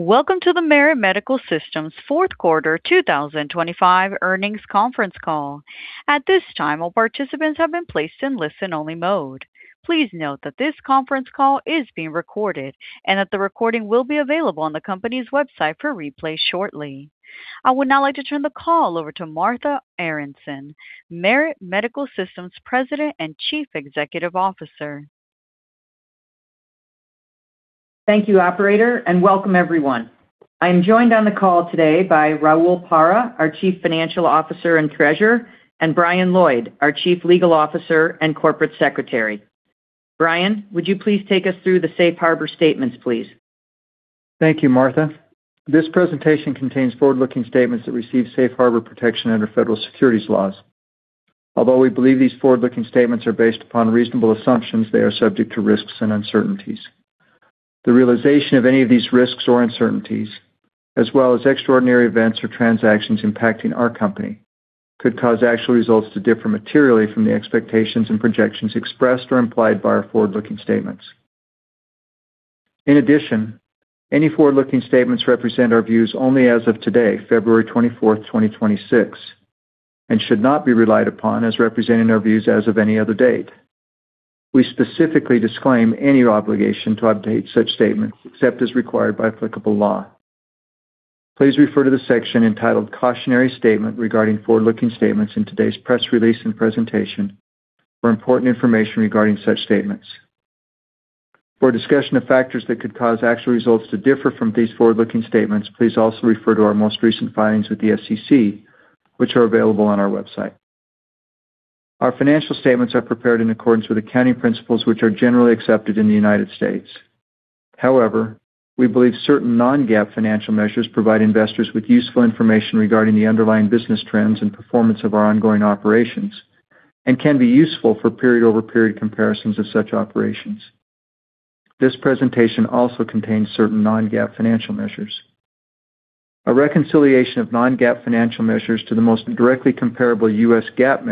Welcome to the Merit Medical Systems fourth quarter 2025 earnings conference call. At this time, all participants have been placed in listen-only mode. Please note that this conference call is being recorded and that the recording will be available on the company's website for replay shortly. I would now like to turn the call over to Martha Aronson, Merit Medical Systems President and Chief Executive Officer. Thank you, operator, and welcome everyone. I'm joined on the call today by Raul Parra, our Chief Financial Officer and Treasurer, and Brian Lloyd, our Chief Legal Officer and Corporate Secretary. Brian, would you please take us through the safe harbor statements, please? Thank you, Martha. This presentation contains forward-looking statements that receive safe harbor protection under federal securities laws. Although we believe these forward-looking statements are based upon reasonable assumptions, they are subject to risks and uncertainties. The realization of any of these risks or uncertainties, as well as extraordinary events or transactions impacting our company, could cause actual results to differ materially from the expectations and projections expressed or implied by our forward-looking statements. Any forward-looking statements represent our views only as of today, February twenty-fourth, 2026, and should not be relied upon as representing our views as of any other date. We specifically disclaim any obligation to update such statements except as required by applicable law. Please refer to the section entitled "Cautionary Statement Regarding Forward-Looking Statements" in today's press release and presentation for important information regarding such statements. For a discussion of factors that could cause actual results to differ from these forward-looking statements, please also refer to our most recent filings with the SEC, which are available on our website. Our financial statements are prepared in accordance with accounting principles, which are generally accepted in the United States. However, we believe certain non-GAAP financial measures provide investors with useful information regarding the underlying business trends and performance of our ongoing operations and can be useful for period-over-period comparisons of such operations. This presentation also contains certain non-GAAP financial measures. A reconciliation of non-GAAP financial measures to the most directly comparable US GAAP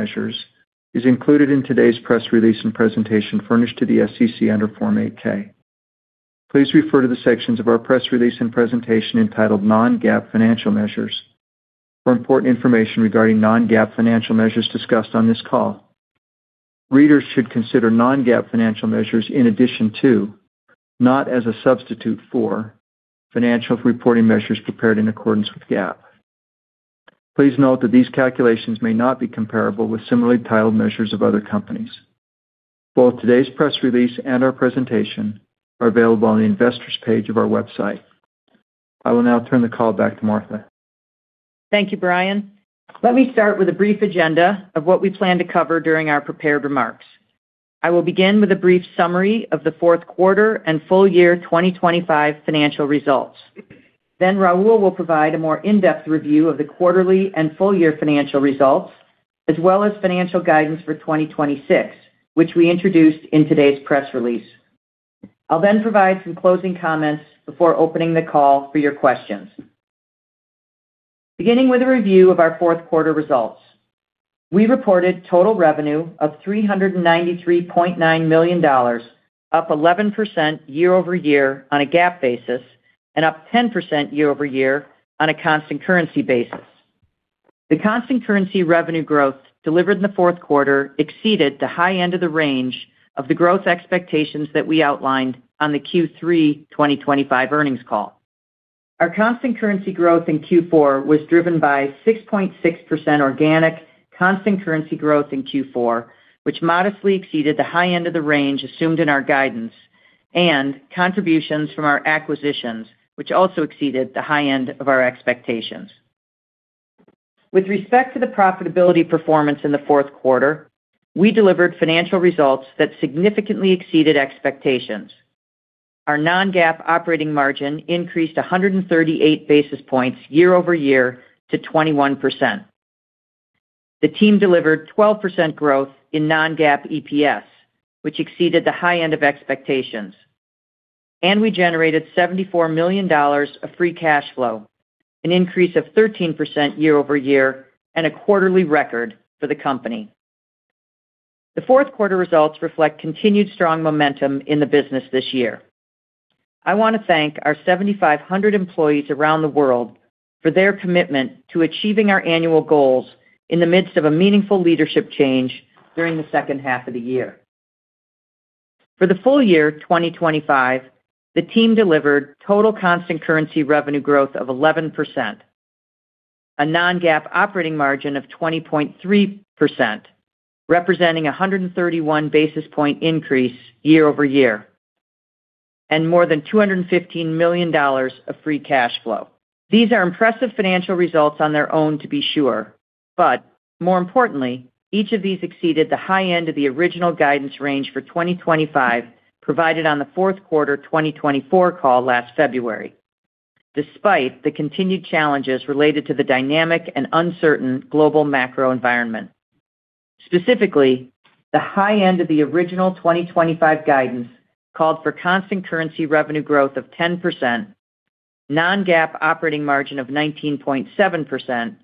measures is included in today's press release and presentation furnished to the SEC under Form 8-K. Please refer to the sections of our press release and presentation entitled "Non-GAAP Financial Measures" for important information regarding non-GAAP financial measures discussed on this call. Readers should consider non-GAAP financial measures in addition to, not as a substitute for, financial reporting measures prepared in accordance with GAAP. Please note that these calculations may not be comparable with similarly titled measures of other companies. Both today's press release and our presentation are available on the Investors page of our website. I will now turn the call back to Martha. Thank you, Brian. Let me start with a brief agenda of what we plan to cover during our prepared remarks. I will begin with a brief summary of the fourth quarter and full year 2025 financial results. Raul will provide a more in-depth review of the quarterly and full year financial results, as well as financial guidance for 2026, which we introduced in today's press release. I'll then provide some closing comments before opening the call for your questions. Beginning with a review of our fourth quarter results, we reported total revenue of $393.9 million, up 11% year-over-year on a GAAP basis and up 10% year-over-year on a constant currency basis. The constant currency revenue growth delivered in the fourth quarter exceeded the high end of the range of the growth expectations that we outlined on the Q3 2025 earnings call. Our constant currency growth in Q4 was driven by 6.6% organic constant currency growth in Q4, which modestly exceeded the high end of the range assumed in our guidance and contributions from our acquisitions, which also exceeded the high end of our expectations. With respect to the profitability performance in the fourth quarter, we delivered financial results that significantly exceeded expectations. Our non-GAAP operating margin increased 138 basis points year-over-year to 21%. The team delivered 12% growth in non-GAAP EPS, which exceeded the high end of expectations, and we generated $74 million of free cash flow, an increase of 13% year-over-year, and a quarterly record for the company. The fourth quarter results reflect continued strong momentum in the business this year. I want to thank our 7,500 employees around the world for their commitment to achieving our annual goals in the midst of a meaningful leadership change during the second half of the year. For the full year 2025, the team delivered total constant currency revenue growth of 11%, a non-GAAP operating margin of 20.3%, representing a 131 basis point increase year-over-year, and more than $215 million of free cash flow. These are impressive financial results on their own, to be sure. More importantly, each of these exceeded the high end of the original guidance range for 2025, provided on the fourth quarter 2024 call last February, despite the continued challenges related to the dynamic and uncertain global macro environment. Specifically, the high end of the original 2025 guidance called for constant currency revenue growth of 10%, non-GAAP operating margin of 19.7%,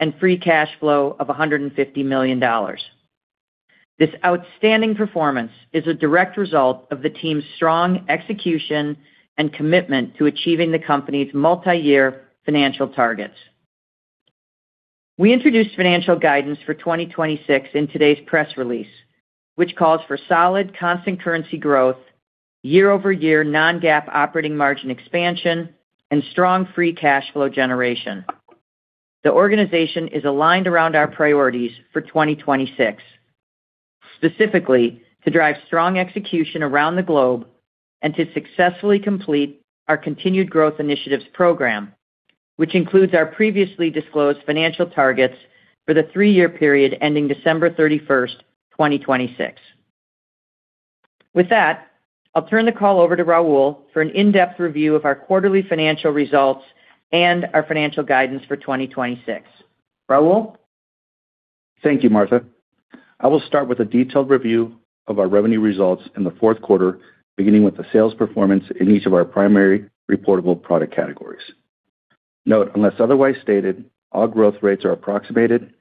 and free cash flow of $150 million. This outstanding performance is a direct result of the team's strong execution and commitment to achieving the company's multi-year financial targets. We introduced financial guidance for 2026 in today's press release, which calls for solid constant currency growth, year-over-year non-GAAP operating margin expansion, and strong free cash flow generation. The organization is aligned around our priorities for 2026, specifically to drive strong execution around the globe and to successfully complete our Continued Growth Initiatives program, which includes our previously disclosed financial targets for the three-year period ending December 31st, 2026. With that, I'll turn the call over to Raul for an in-depth review of our quarterly financial results and our financial guidance for 2026. Raul? Thank you, Martha. I will start with a detailed review of our revenue results in the fourth quarter, beginning with the sales performance in each of our primary reportable product categories. Note, unless otherwise stated, all growth rates are approximated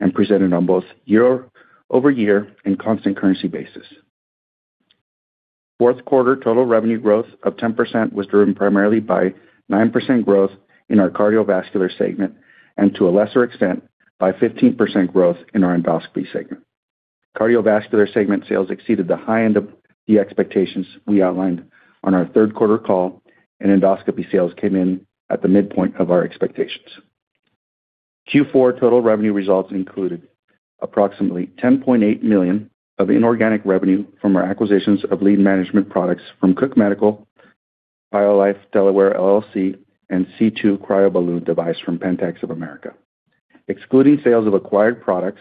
and presented on both year-over-year and constant currency basis. Fourth quarter total revenue growth of 10% was driven primarily by 9% growth in our cardiovascular segment, and to a lesser extent, by 15% growth in our endoscopy segment. Cardiovascular segment sales exceeded the high end of the expectations we outlined on our third quarter call, and endoscopy sales came in at the midpoint of our expectations. Q4 total revenue results included approximately $10.8 million of inorganic revenue from our acquisitions of lead management products from Cook Medical, Biolife Delaware, L.L.C., and C2 CryoBalloon device from Pentax of America. Excluding sales of acquired products,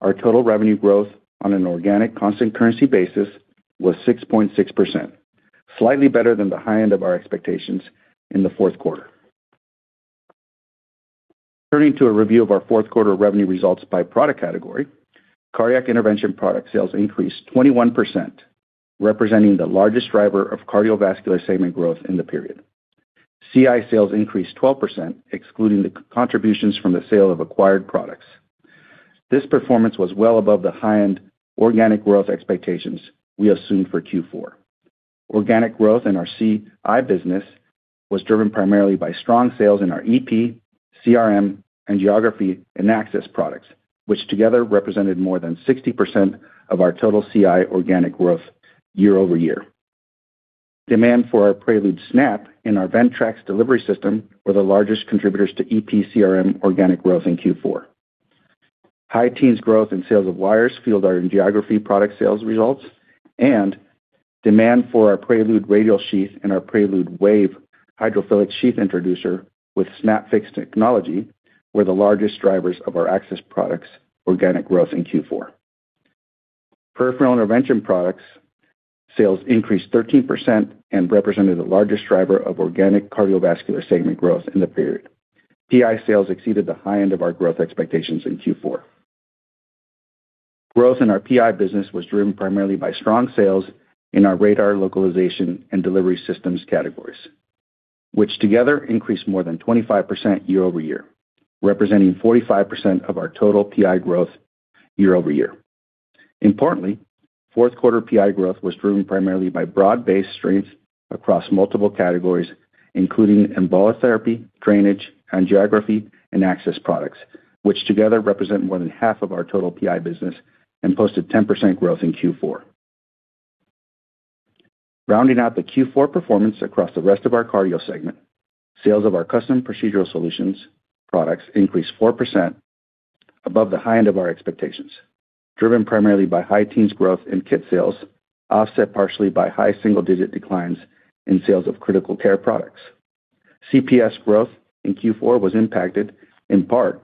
our total revenue growth on an organic constant currency basis was 6.6%, slightly better than the high end of our expectations in the fourth quarter. Turning to a review of our fourth quarter revenue results by product category. Cardiac Intervention product sales increased 21%, representing the largest driver of cardiovascular segment growth in the period. CI sales increased 12%, excluding the contributions from the sale of acquired products. This performance was well above the high-end organic growth expectations we assumed for Q4. Organic growth in our CI business was driven primarily by strong sales in our EP, CRM, angiography, and access products, which together represented more than 60% of our total CI organic growth year-over-year. Demand for our PreludeSNAP and our Ventrax Delivery System were the largest contributors to EP CRM organic growth in Q4. High teens growth in sales of wires fueled our angiography product sales results. Demand for our Prelude Radial Sheath and our Prelude Wave Hydrophilic Sheath Introducer with SnapFix technology were the largest drivers of our access products' organic growth in Q4. Peripheral Intervention products sales increased 13% and represented the largest driver of organic cardiovascular segment growth in the period. PI sales exceeded the high end of our growth expectations in Q4. Growth in our PI business was driven primarily by strong sales in our Radar Localization and delivery systems categories, which together increased more than 25% year-over-year, representing 45% of our total PI growth year-over-year. Importantly, fourth quarter PI growth was driven primarily by broad-based strength across multiple categories, including embolic therapy, drainage, angiography, and access products, which together represent more than half of our total PI business and posted 10% growth in Q4. Rounding out the Q4 performance across the rest of our cardio segment, sales of our custom procedural solutions products increased 4% above the high end of our expectations, driven primarily by high teens growth in kit sales, offset partially by high single-digit declines in sales of critical care products. CPS growth in Q4 was impacted in part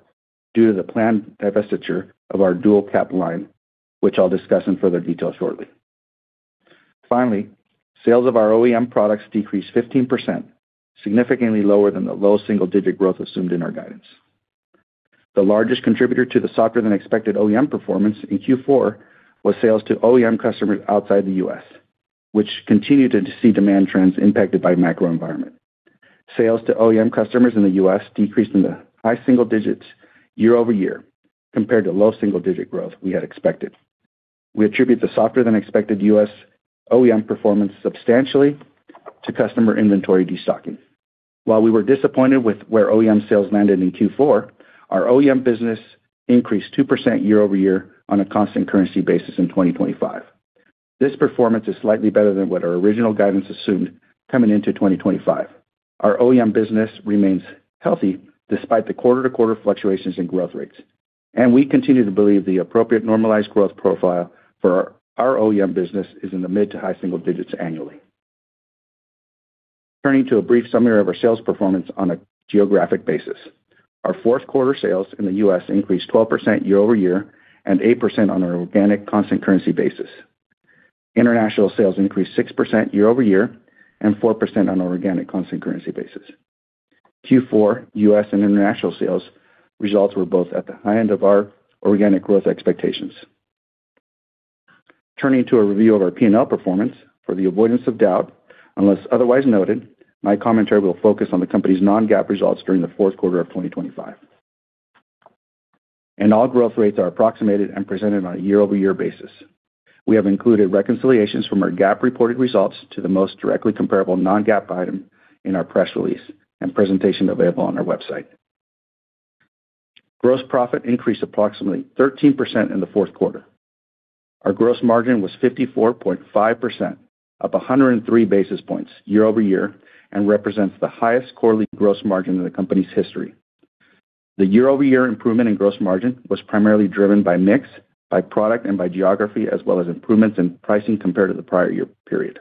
due to the planned divestiture of our DualCap line, which I'll discuss in further detail shortly. Finally, sales of our OEM products decreased 15%, significantly lower than the low single-digit growth assumed in our guidance. The largest contributor to the softer-than-expected OEM performance in Q4 was sales to OEM customers outside the US, which continued to see demand trends impacted by macro environment. Sales to OEM customers in the US decreased in the high single digits year-over-year, compared to low double single-digit growth we had expected. We attribute the softer-than-expected US OEM performance substantially to customer inventory destocking. While we were disappointed with where OEM sales landed in Q4, our OEM business increased 2% year-over-year on a constant currency basis in 2025. This performance is slightly better than what our original guidance assumed coming into 2025. We continue to believe the appropriate normalized growth profile for our OEM business is in the mid to high single digits annually. Turning to a brief summary of our sales performance on a geographic basis. Our fourth quarter sales in the U.S. increased 12% year-over-year and 8% on an organic constant currency basis. International sales increased 6% year-over-year and 4% on an organic constant currency basis. Q4 U.S. and international sales results were both at the high end of our organic growth expectations. Turning to a review of our P&L performance. For the avoidance of doubt, unless otherwise noted, my commentary will focus on the company's non-GAAP results during the fourth quarter of 2025. All growth rates are approximated and presented on a year-over-year basis. We have included reconciliations from our GAAP reported results to the most directly comparable non-GAAP item in our press release and presentation available on our website. Gross profit increased approximately 13% in the fourth quarter. Our gross margin was 54.5%, up 103 basis points year-over-year, and represents the highest quarterly gross margin in the company's history. The year-over-year improvement in gross margin was primarily driven by mix, by product, and by geography, as well as improvements in pricing compared to the prior year period.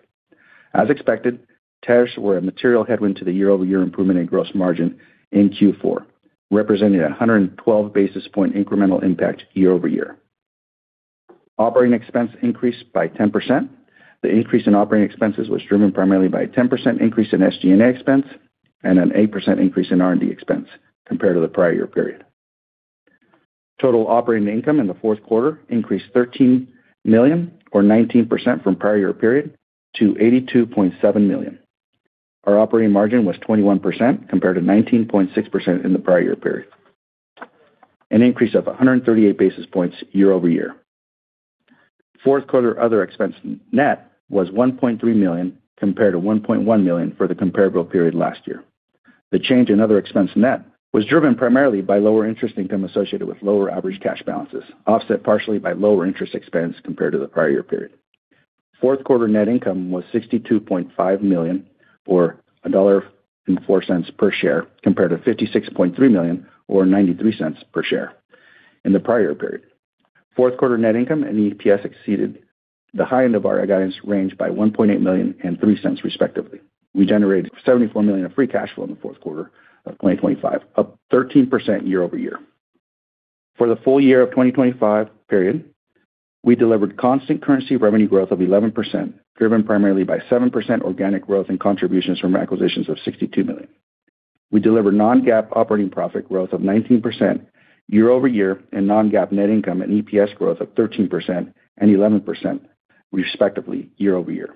As expected, tariffs were a material headwind to the year-over-year improvement in gross margin in Q4, representing a 112 basis point incremental impact year-over-year. Operating expense increased by 10%. The increase in operating expenses was driven primarily by a 10% increase in SG&A expense and an 8% increase in R&D expense compared to the prior year period. Total operating income in the fourth quarter increased $13 million, or 19% from prior year period to $82.7 million. Our operating margin was 21%, compared to 19.6% in the prior year period, an increase of 138 basis points year-over-year. Fourth quarter other expense net was $1.3 million, compared to $1.1 million for the comparable period last year. The change in other expense net was driven primarily by lower interest income associated with lower average cash balances, offset partially by lower interest expense compared to the prior year period. Fourth quarter net income was $62.5 million, or $1.04 per share, compared to $56.3 million, or $0.93 per share in the prior period. Fourth quarter net income and EPS exceeded the high end of our guidance range by $1.8 million and $0.03, respectively. We generated $74 million of free cash flow in the fourth quarter of 2025, up 13% year-over-year. For the full year 2025 period, we delivered constant currency revenue growth of 11%, driven primarily by 7% organic growth and contributions from acquisitions of $62 million. We delivered non-GAAP operating profit growth of 19% year-over-year, and non-GAAP net income and EPS growth of 13% and 11%, respectively, year-over-year.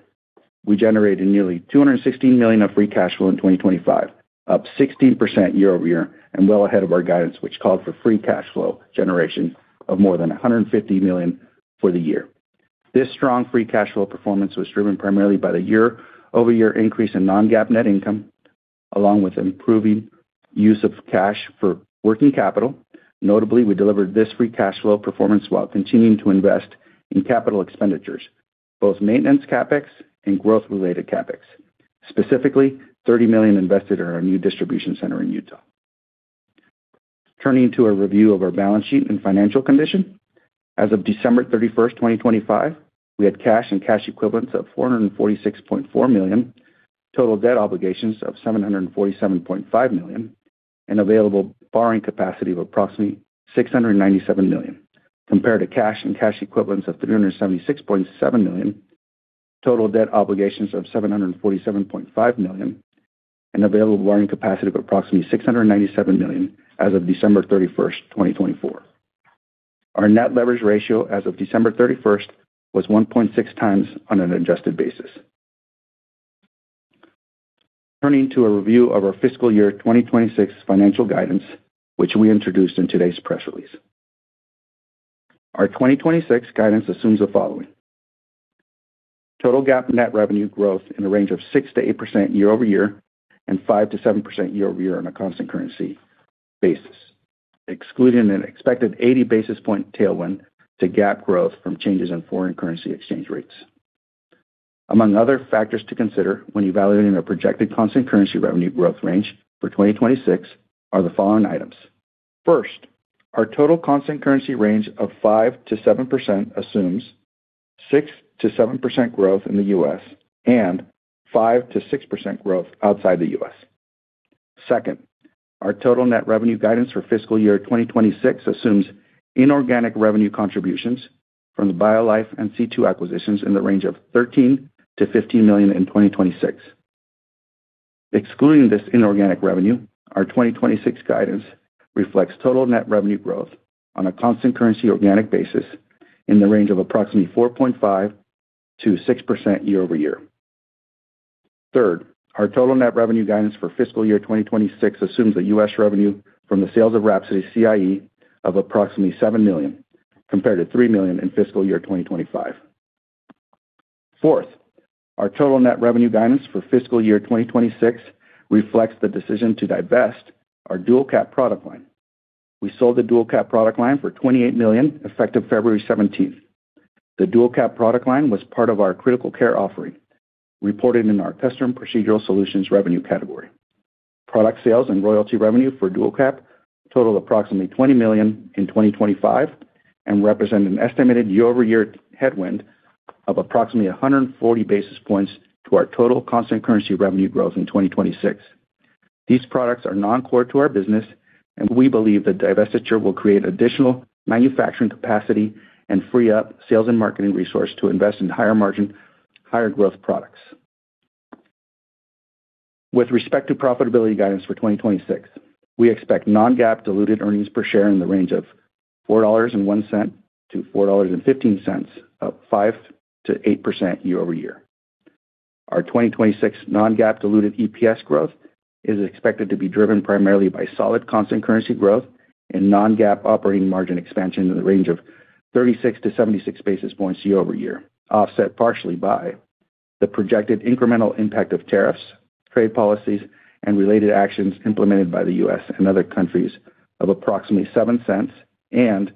We generated nearly $216 million of free cash flow in 2025, up 16% year-over-year, and well ahead of our guidance, which called for free cash flow generation of more than $150 million for the year. This strong free cash flow performance was driven primarily by the year-over-year increase in non-GAAP net income, along with improving use of cash for working capital. Notably, we delivered this free cash flow performance while continuing to invest in capital expenditures, both maintenance CapEx and growth-related CapEx, specifically $30 million invested in our new distribution center in Utah. Turning to a review of our balance sheet and financial condition. As of December 31, 2025, we had cash and cash equivalents of $446.4 million, total debt obligations of $747.5 million, and available borrowing capacity of approximately $697 million, compared to cash and cash equivalents of $376.7 million, total debt obligations of $747.5 million, and available borrowing capacity of approximately $697 million as of December 31, 2024. Our net leverage ratio as of December 31 was 1.6 times on an adjusted basis. Turning to a review of our fiscal year 2026 financial guidance, which we introduced in today's press release. Our 2026 guidance assumes the following: Total GAAP net revenue growth in the range of 6%-8% year-over-year, and 5%-7% year-over-year on a constant currency basis, excluding an expected 80 basis point tailwind to GAAP growth from changes in foreign currency exchange rates. Among other factors to consider when evaluating our projected constant currency revenue growth range for 2026 are the following items. First, our total constant currency range of 5%-7% assumes 6%-7% growth in the U.S. and 5%-6% growth outside the U.S. Second, our total net revenue guidance for fiscal year 2026 assumes inorganic revenue contributions from the BioLife and C2 acquisitions in the range of $13 million-$15 million in 2026. Excluding this inorganic revenue, our 2026 guidance reflects total net revenue growth on a constant currency organic basis in the range of approximately 4.5%-6% year-over-year. Third, our total net revenue guidance for fiscal year 2026 assumes that U.S. revenue from the sales of WRAPSODY CIE of approximately $7 million, compared to $3 million in fiscal year 2025. Fourth, our total net revenue guidance for fiscal year 2026 reflects the decision to divest our DualCap product line. We sold the DualCap product line for $28 million, effective February 17th. The DualCap product line was part of our critical care offering, reported in our custom procedural solutions revenue category. Product sales and royalty revenue for DualCap totaled approximately $20 million in 2025 and represent an estimated year-over-year headwind of approximately 140 basis points to our total constant currency revenue growth in 2026. These products are non-core to our business, we believe the divestiture will create additional manufacturing capacity and free up sales and marketing resource to invest in higher margin, higher growth products. With respect to profitability guidance for 2026, we expect non-GAAP diluted earnings per share in the range of $4.01-$4.15, up 5%-8% year-over-year. Our 2026 non-GAAP diluted EPS growth is expected to be driven primarily by solid constant currency growth and non-GAAP operating margin expansion in the range of 36-76 basis points year-over-year, offset partially by the projected incremental impact of tariffs, trade policies, and related actions implemented by the U.S. and other countries of approximately $0.07, and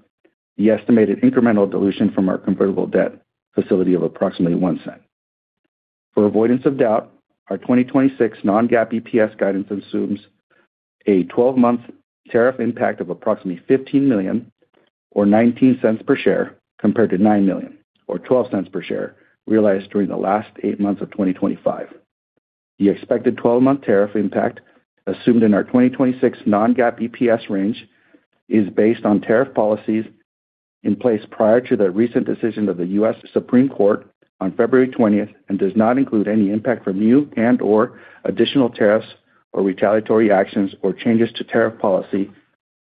the estimated incremental dilution from our convertible debt facility of approximately $0.01. For avoidance of doubt, our 2026 non-GAAP EPS guidance assumes a 12-month tariff impact of approximately $15 million or $0.19 per share, compared to $9 million or $0.12 per share realized during the last 8 months of 2025. The expected 12-month tariff impact assumed in our 2026 non-GAAP EPS range is based on tariff policies in place prior to the recent decision of the U.S. Supreme Court on February 20th, and does not include any impact from new and/or additional tariffs or retaliatory actions, or changes to tariff policy,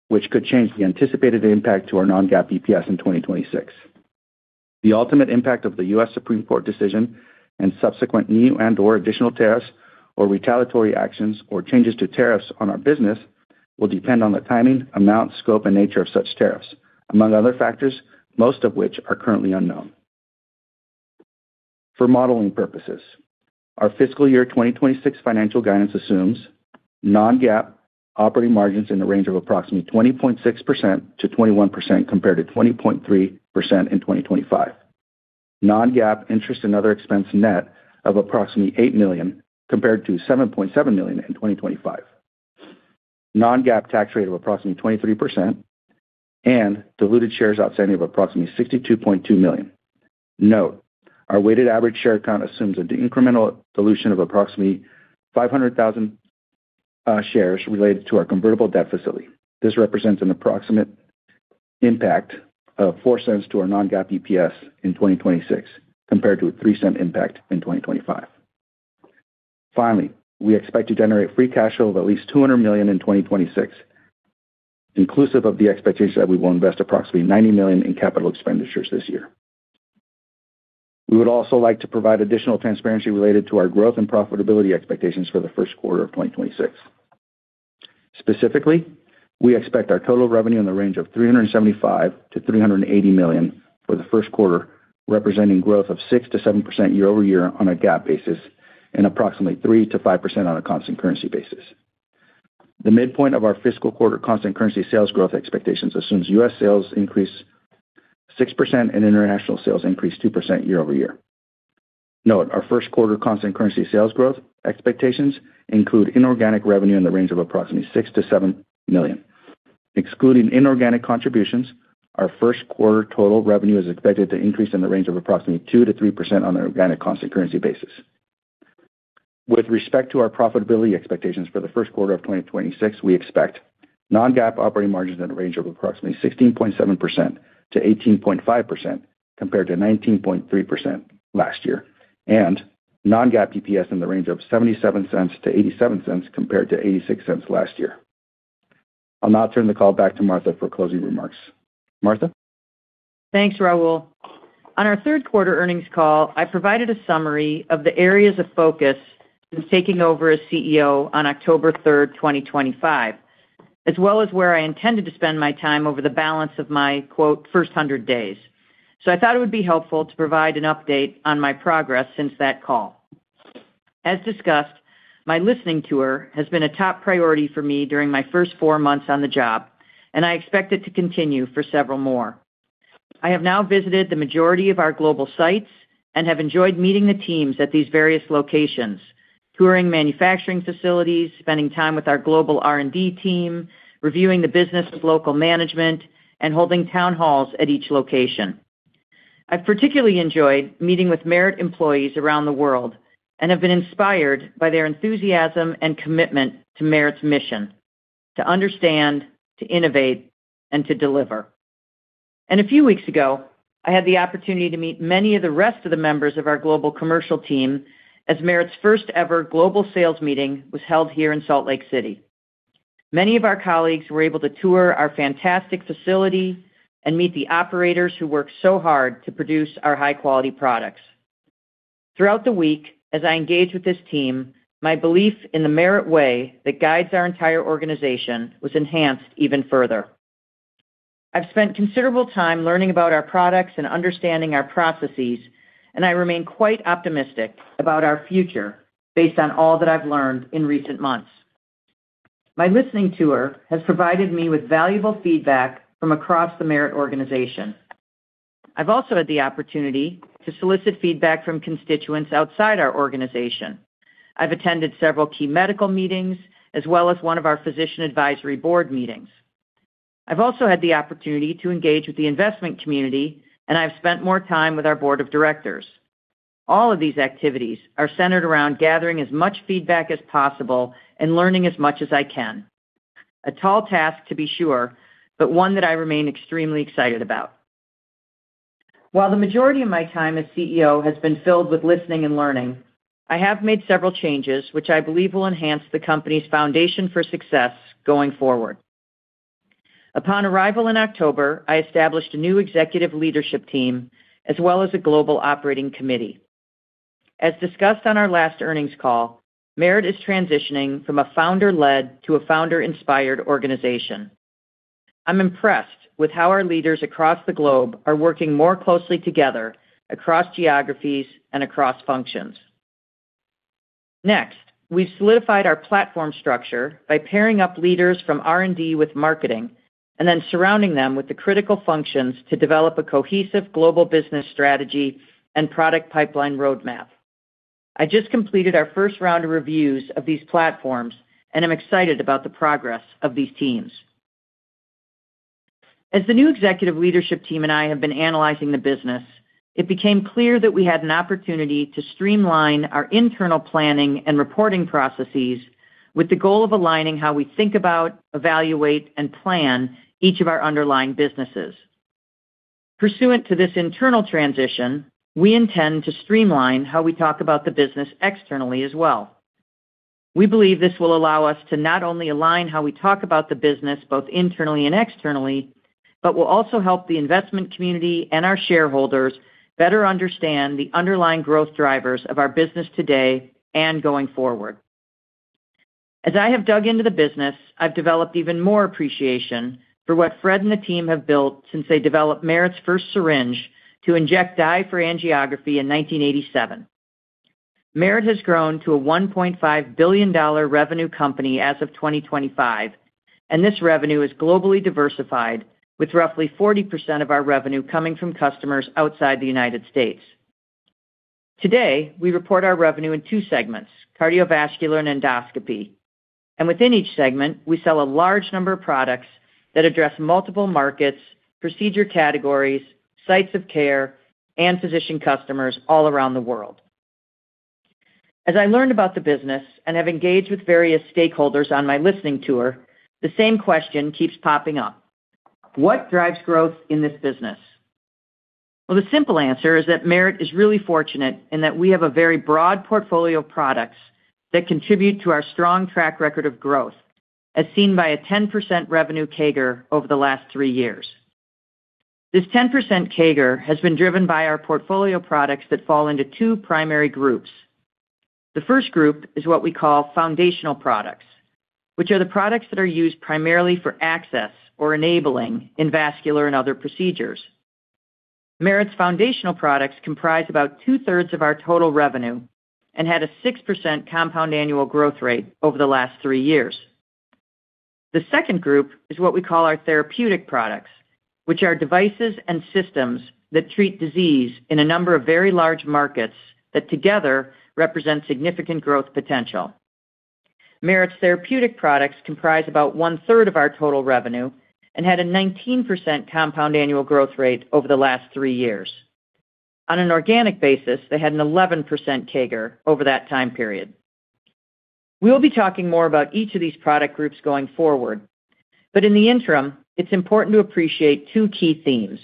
which could change the anticipated impact to our non-GAAP EPS in 2026. The ultimate impact of the U.S. Supreme Court decision and subsequent new and/or additional tariffs or retaliatory actions or changes to tariffs on our business will depend on the timing, amount, scope, and nature of such tariffs, among other factors, most of which are currently unknown. For modeling purposes, our fiscal year 2026 financial guidance assumes non-GAAP operating margins in the range of approximately 20.6%-21%, compared to 20.3% in 2025. Non-GAAP interest and other expense net of approximately $8 million, compared to $7.7 million in 2025. Non-GAAP tax rate of approximately 23% and diluted shares outstanding of approximately 62.2 million. Note: Our weighted average share count assumes an incremental dilution of approximately 500,000 shares related to our convertible debt facility. This represents an approximate impact of $0.04 to our non-GAAP EPS in 2026, compared to a $0.03 impact in 2025. Finally, we expect to generate free cash flow of at least $200 million in 2026, inclusive of the expectation that we will invest approximately $90 million in capital expenditures this year. We would also like to provide additional transparency related to our growth and profitability expectations for the first quarter of 2026. Specifically, we expect our total revenue in the range of $375 million-$380 million for the first quarter, representing growth of 6%-7% year-over-year on a GAAP basis, and approximately 3%-5% on a constant currency basis. The midpoint of our fiscal quarter constant currency sales growth expectations assumes US sales increase 6% and international sales increase 2% year-over-year. Our first quarter constant currency sales growth expectations include inorganic revenue in the range of approximately $6 million-$7 million. Excluding inorganic contributions, our first quarter total revenue is expected to increase in the range of approximately 2%-3% on an organic constant currency basis. With respect to our profitability expectations for the first quarter of 2026, we expect non-GAAP operating margins in a range of approximately 16.7%-18.5%, compared to 19.3% last year, and non-GAAP EPS in the range of $0.77-$0.87, compared to $0.86 last year. I'll now turn the call back to Martha for closing remarks. Martha? Thanks, Raul. On our third quarter earnings call, I provided a summary of the areas of focus in taking over as CEO on October 3rd, 2025, as well as where I intended to spend my time over the balance of my, quote, "first 100 days." I thought it would be helpful to provide an update on my progress since that call. As discussed, my listening tour has been a top priority for me during my first four months on the job, and I expect it to continue for several more. I have now visited the majority of our global sites and have enjoyed meeting the teams at these various locations, touring manufacturing facilities, spending time with our global R&D team, reviewing the business with local management, and holding town halls at each location. I've particularly enjoyed meeting with Merit employees around the world and have been inspired by their enthusiasm and commitment to Merit's mission: to understand, to innovate, and to deliver. A few weeks ago, I had the opportunity to meet many of the rest of the members of our global commercial team, as Merit's first-ever global sales meeting was held here in Salt Lake City. Many of our colleagues were able to tour our fantastic facility and meet the operators who work so hard to produce our high-quality products. Throughout the week, as I engaged with this team, my belief in the Merit way that guides our entire organization was enhanced even further. I've spent considerable time learning about our products and understanding our processes, and I remain quite optimistic about our future based on all that I've learned in recent months. My listening tour has provided me with valuable feedback from across the Merit organization. I've also had the opportunity to solicit feedback from constituents outside our organization. I've attended several key medical meetings, as well as one of our physician advisory board meetings. I've also had the opportunity to engage with the investment community, and I've spent more time with our board of directors. All of these activities are centered around gathering as much feedback as possible and learning as much as I can. A tall task, to be sure, but one that I remain extremely excited about. While the majority of my time as CEO has been filled with listening and learning, I have made several changes, which I believe will enhance the company's foundation for success going forward. Upon arrival in October, I established a new executive leadership team, as well as a global operating committee. As discussed on our last earnings call, Merit is transitioning from a founder-led to a founder-inspired organization. I'm impressed with how our leaders across the globe are working more closely together across geographies and across functions. We've solidified our platform structure by pairing up leaders from R&D with marketing, and then surrounding them with the critical functions to develop a cohesive global business strategy and product pipeline roadmap. I just completed our first round of reviews of these platforms, and I'm excited about the progress of these teams. As the new executive leadership team and I have been analyzing the business, it became clear that we had an opportunity to streamline our internal planning and reporting processes with the goal of aligning how we think about, evaluate, and plan each of our underlying businesses. Pursuant to this internal transition, we intend to streamline how we talk about the business externally as well. We believe this will allow us to not only align how we talk about the business, both internally and externally, but will also help the investment community and our shareholders better understand the underlying growth drivers of our business today and going forward. As I have dug into the business, I've developed even more appreciation for what Fred and the team have built since they developed Merit's first syringe to inject dye for angiography in 1987. Merit has grown to a $1.5 billion revenue company as of 2025, and this revenue is globally diversified, with roughly 40% of our revenue coming from customers outside the United States. Today, we report our revenue in two segments, cardiovascular and endoscopy, and within each segment, we sell a large number of products that address multiple markets, procedure categories, sites of care, and physician customers all around the world. As I learned about the business and have engaged with various stakeholders on my listening tour, the same question keeps popping up: What drives growth in this business? Well, the simple answer is that Merit is really fortunate in that we have a very broad portfolio of products that contribute to our strong track record of growth, as seen by a 10% revenue CAGR over the last three years. This 10% CAGR has been driven by our portfolio of products that fall into two primary groups. The first group is what we call foundational products, which are the products that are used primarily for access or enabling in vascular and other procedures. Merit's foundational products comprise about two-thirds of our total revenue and had a 6% compound annual growth rate over the last 3 years. The second group is what we call our therapeutic products, which are devices and systems that treat disease in a number of very large markets that together represent significant growth potential. Merit's therapeutic products comprise about one-third of our total revenue and had a 19% compound annual growth rate over the last 3 years. On an organic basis, they had an 11% CAGR over that time period. We will be talking more about each of these product groups going forward. In the interim, it's important to appreciate 2 key themes.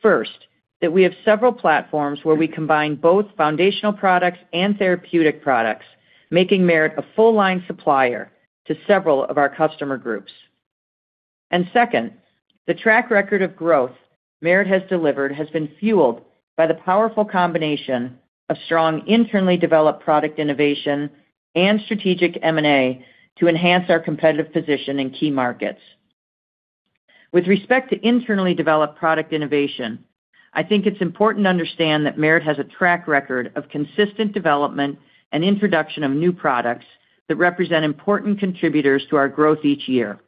First, that we have several platforms where we combine both foundational products and therapeutic products, making Merit a full line supplier to several of our customer groups. Second, the track record of growth Merit has delivered has been fueled by the powerful combination of strong internally developed product innovation and strategic M&A to enhance our competitive position in key markets. With respect to internally developed product innovation, I think it's important to understand that Merit has a track record of consistent development and introduction of new products that represent important contributors to our growth each year.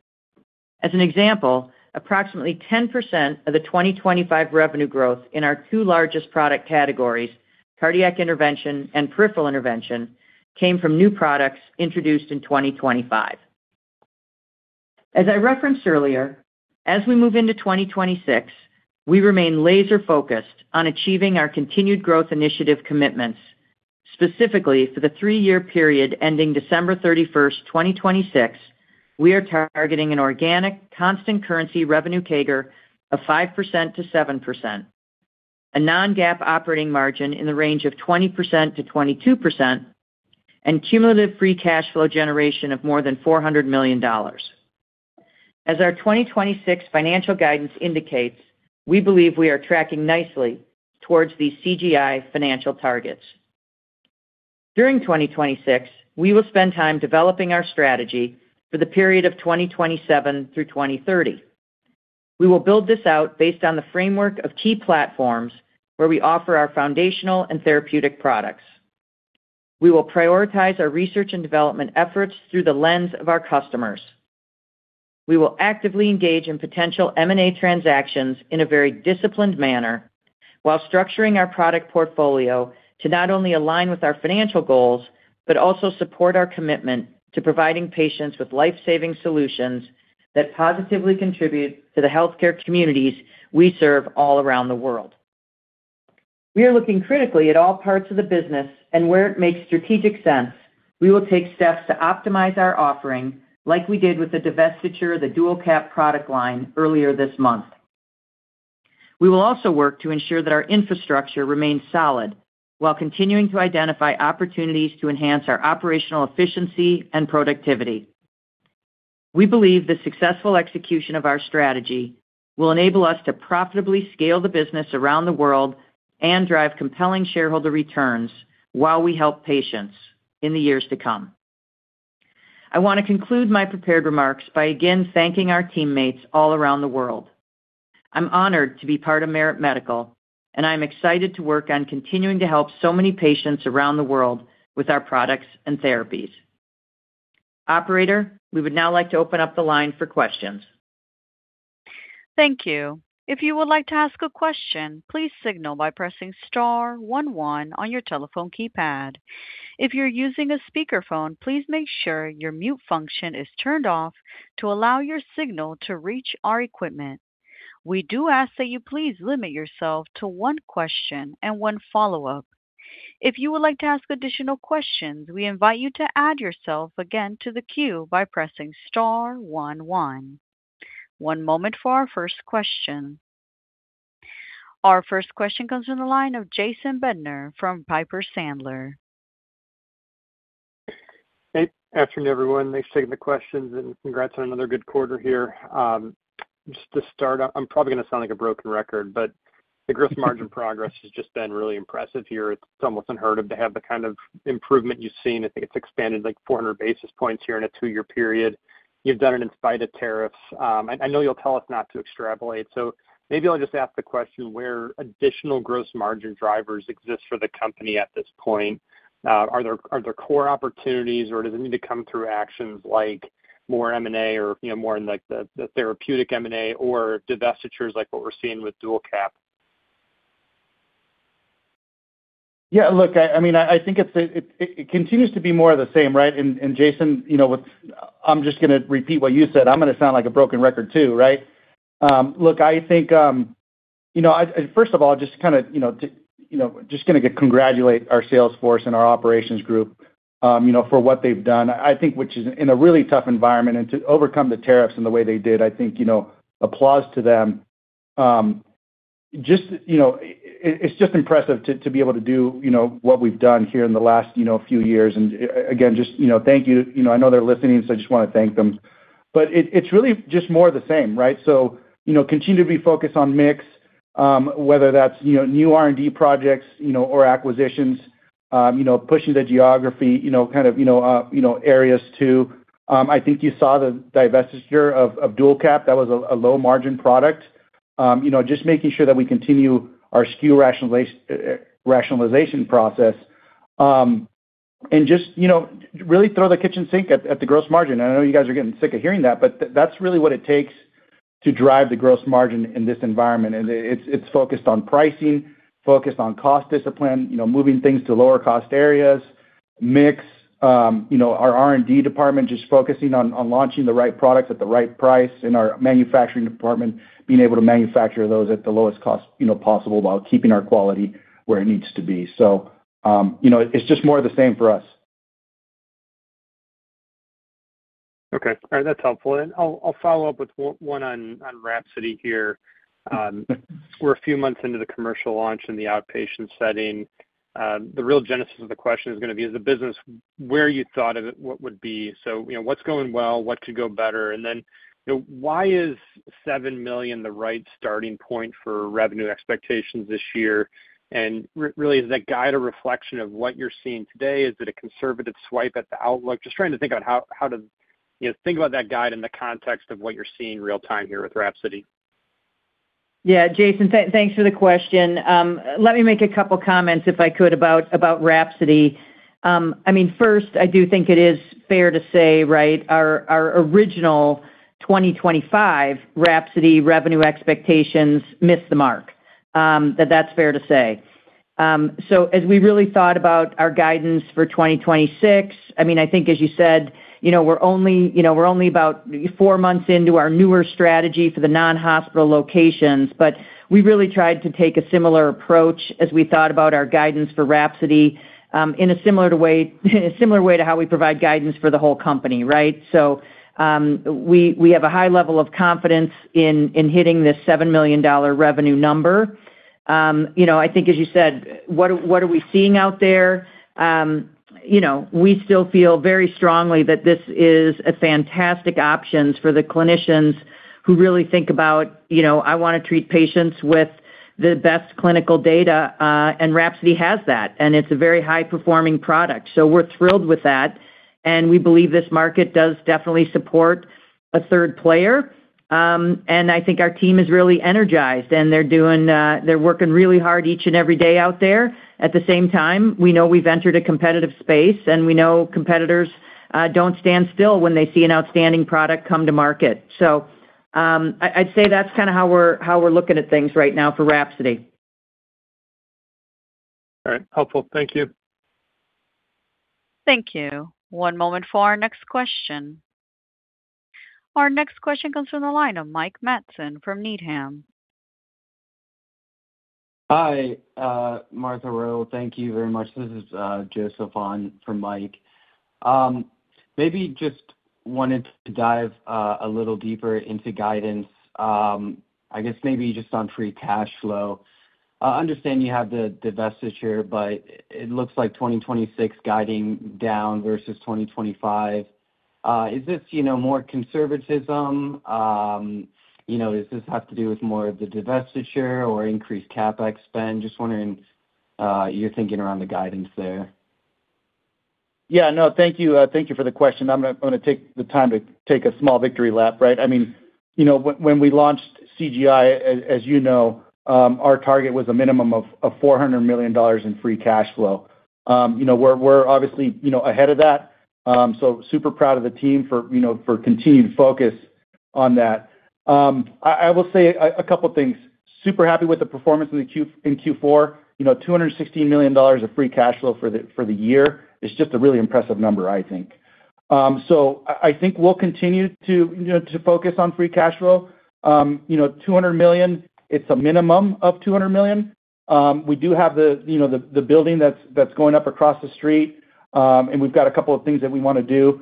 As an example, approximately 10% of the 2025 revenue growth in our two largest product categories, Cardiac Intervention and Peripheral Intervention, came from new products introduced in 2025. As I referenced earlier, as we move into 2026, we remain laser-focused on achieving our Continued Growth Initiative commitments. Specifically, for the 3-year period ending December 31st, 2026, we are targeting an organic constant currency revenue CAGR of 5%-7%, a non-GAAP operating margin in the range of 20%-22%, and cumulative free cash flow generation of more than $400 million. As our 2026 financial guidance indicates, we believe we are tracking nicely towards these CGI financial targets. During 2026, we will spend time developing our strategy for the period of 2027 through 2030. We will build this out based on the framework of key platforms where we offer our foundational and therapeutic products. We will prioritize our research and development efforts through the lens of our customers. We will actively engage in potential M&A transactions in a very disciplined manner while structuring our product portfolio to not only align with our financial goals, but also support our commitment to providing patients with life-saving solutions that positively contribute to the healthcare communities we serve all around the world. We are looking critically at all parts of the business, and where it makes strategic sense, we will take steps to optimize our offering, like we did with the divestiture of the DualCap product line earlier this month. We will also work to ensure that our infrastructure remains solid, while continuing to identify opportunities to enhance our operational efficiency and productivity. We believe the successful execution of our strategy will enable us to profitably scale the business around the world and drive compelling shareholder returns, while we help patients in the years to come. I want to conclude my prepared remarks by again thanking our teammates all around the world. I'm honored to be part of Merit Medical, I'm excited to work on continuing to help so many patients around the world with our products and therapies. Operator, we would now like to open up the line for questions. Thank you. If you would like to ask a question, please signal by pressing star one one on your telephone keypad. If you're using a speakerphone, please make sure your mute function is turned off to allow your signal to reach our equipment. We do ask that you please limit yourself to 1 question and 1 follow-up. If you would like to ask additional questions, we invite you to add yourself again to the queue by pressing star one one. 1 moment for our first question. Our first question comes from the line of Jason Bednar from Piper Sandler. Hey, afternoon, everyone. Thanks for taking the questions. Congrats on another good quarter here. Just to start, I'm probably going to sound like a broken record. The gross margin progress has just been really impressive here. It's almost unheard of to have the kind of improvement you've seen. I think it's expanded, like, 400 basis points here in a 2-year period. You've done it in spite of tariffs. I know you'll tell us not to extrapolate. Maybe I'll just ask the question, where additional gross margin drivers exist for the company at this point? Are there core opportunities, or does it need to come through actions like more M&A or, you know, more in, like, the therapeutic M&A or divestitures like what we're seeing with DualCap? Yeah, look, I mean, I think it continues to be more of the same, right? Jason, you know, I'm just gonna repeat what you said. I'm gonna sound like a broken record too, right? Look, I think, you know, I, first of all, just to kind of, you know, to, you know, just gonna congratulate our sales force and our operations group, you know, for what they've done. I think, which is in a really tough environment, and to overcome the tariffs in the way they did, I think, you know, applause to them. Just, you know, it's just impressive to be able to do, you know, what we've done here in the last, you know, few years. Again, just, you know, thank you. You know, I know they're listening, so I just wanna thank them. It, it's really just more of the same, right? You know, continue to be focused on mix, whether that's, you know, new R&D projects, you know, or acquisitions, you know, pushing the geography, you know, kind of, you know, areas too. I think you saw the divestiture of DualCap. That was a low-margin product. You know, just making sure that we continue our SKU rationalization process, and just, you know, really throw the kitchen sink at the gross margin. I know you guys are getting sick of hearing that, but that's really what it takes to drive the gross margin in this environment. It's focused on pricing, focused on cost discipline, you know, moving things to lower cost areas, mix, you know, our R&D department just focusing on launching the right products at the right price, and our manufacturing department being able to manufacture those at the lowest cost, you know, possible, while keeping our quality where it needs to be. You know, it's just more of the same for us. Okay. All right, that's helpful. I'll follow up with one on WRAPSODY here. We're a few months into the commercial launch in the outpatient setting. The real genesis of the question is gonna be, is the business where you thought it, what would be? You know, what's going well, what could go better? You know, why is $7 million the right starting point for revenue expectations this year? Really, is that guide a reflection of what you're seeing today? Is it a conservative swipe at the outlook? Just trying to think about how to, you know, think about that guide in the context of what you're seeing real time here with WRAPSODY. Yeah, Jason, thanks for the question. I mean, let me make a couple comments, if I could, about WRAPSODY. I mean, first, I do think it is fair to say, right, our original 2025 WRAPSODY revenue expectations missed the mark, that's fair to say. As we really thought about our guidance for 2026, I mean, I think, as you said, you know, we're only about 4 months into our newer strategy for the non-hospital locations. We really tried to take a similar approach as we thought about our guidance for WRAPSODY, in a similar way to how we provide guidance for the whole company, right? We have a high level of confidence in hitting this $7 million revenue number. You know, I think, as you said, what are we seeing out there? You know, we still feel very strongly that this is a fantastic options for the clinicians who really think about, you know, I wanna treat patients with the best clinical data, and WRAPSODY has that, and it's a very high-performing product. We're thrilled with that, and we believe this market does definitely support a third player. I think our team is really energized, and they're working really hard each and every day out there. At the same time, we know we've entered a competitive space, and we know competitors don't stand still when they see an outstanding product come to market. I'd say that's kind of how we're looking at things right now for WRAPSODY. All right. Helpful. Thank you. Thank you. One moment for our next question. Our next question comes from the line of Mike Matson from Needham. Hi, Martha Rowe. Thank you very much. This is Joseph on for Mike. Maybe just wanted to dive a little deeper into guidance. I guess maybe just on free cash flow. I understand you have the divestiture, but it looks like 2026 guiding down versus 2025. Is this, you know, more conservatism? You know, does this have to do with more of the divestiture or increased CapEx spend? Just wondering your thinking around the guidance there. Yeah, no, thank you. Thank you for the question. I'm gonna take the time to take a small victory lap, right? I mean, you know, when we launched CGI, as you know, our target was a minimum of $400 million in free cash flow. You know, we're obviously, you know, ahead of that. Super proud of the team for, you know, for continued focus on that. I will say a couple things: super happy with the performance in Q4. You know, $216 million of free cash flow for the year is just a really impressive number, I think. I think we'll continue to, you know, to focus on free cash flow. you know, $200 million, it's a minimum of $200 million. We do have the, you know, the building that's going up across the street, and we've got a couple of things that we wanna do.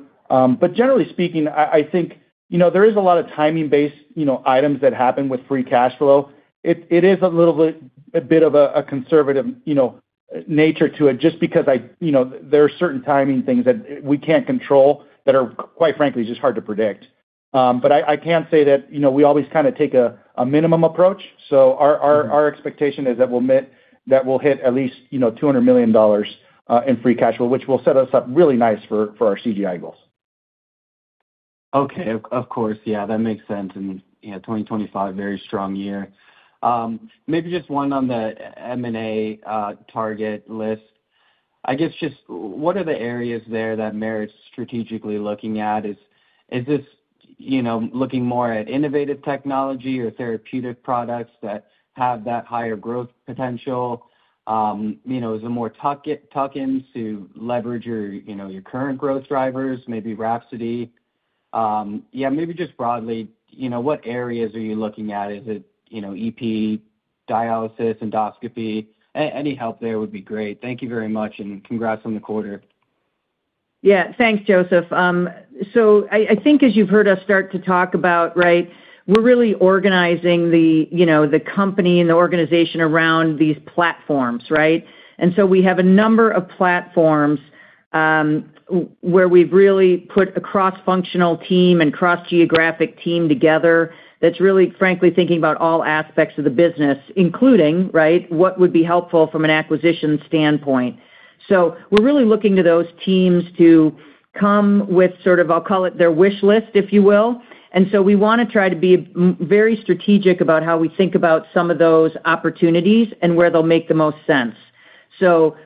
Generally speaking, I think, you know, there is a lot of timing-based, you know, items that happen with free cash flow. It is a little bit, a bit of a conservative, you know, nature to it, just because I, you know, there are certain timing things that we can't control, that are, quite frankly, just hard to predict. I can say that, you know, we always kind of take a minimum approach, so our expectation is that we'll hit at least, you know, $200 million in free cash flow, which will set us up really nice for our CGI goals. Of course. Yeah, that makes sense. You know, 2025, very strong year. Maybe just one on the M&A target list. I guess, just what are the areas there that Merit's strategically looking at? Is this, you know, looking more at innovative technology or therapeutic products that have that higher growth potential? You know, is it more tuck-ins to leverage your, you know, your current growth drivers, maybe WRAPSODY? Yeah, maybe just broadly, you know, what areas are you looking at? Is it, you know, EP, dialysis, endoscopy? Any help there would be great. Thank you very much. Congrats on the quarter. Yeah. Thanks, Joseph. I think as you've heard us start to talk about, right, we're really organizing the, you know, the company and the organization around these platforms, right? We have a number of platforms, where we've really put a cross-functional team and cross-geographic team together, that's really, frankly, thinking about all aspects of the business, including, right, what would be helpful from an acquisition standpoint. We're really looking to those teams to come with sort of, I'll call it, their wish list, if you will. We wanna try to be very strategic about how we think about some of those opportunities and where they'll make the most sense.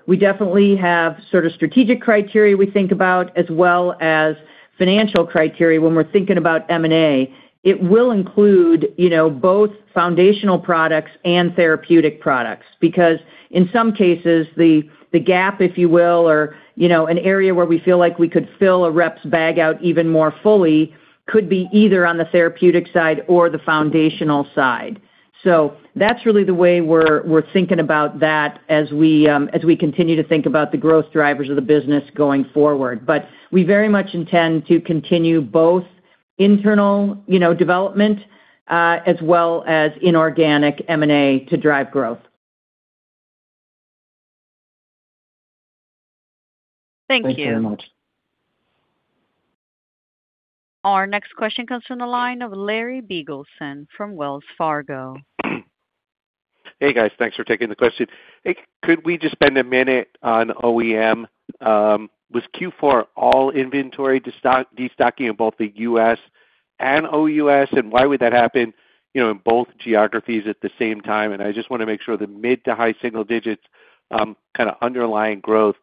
We definitely have sort of strategic criteria we think about, as well as financial criteria when we're thinking about M&A. It will include, you know, both foundational products and therapeutic products, because in some cases, the gap, if you will, or, you know, an area where we feel like we could fill a rep's bag out even more fully, could be either on the therapeutic side or the foundational side. That's really the way we're thinking about that as we continue to think about the growth drivers of the business going forward. We very much intend to continue both internal, you know, development, as well as inorganic M&A to drive growth. Thank you. Thank you very much. Our next question comes from the line of Larry Biegelsen from Wells Fargo. Hey, guys. Thanks for taking the question. Hey, could we just spend a minute on OEM? Was Q4 all inventory destocking in both the US and OUS, and why would that happen, you know, in both geographies at the same time? I just wanna make sure the mid to high single digits, kind of underlying growth,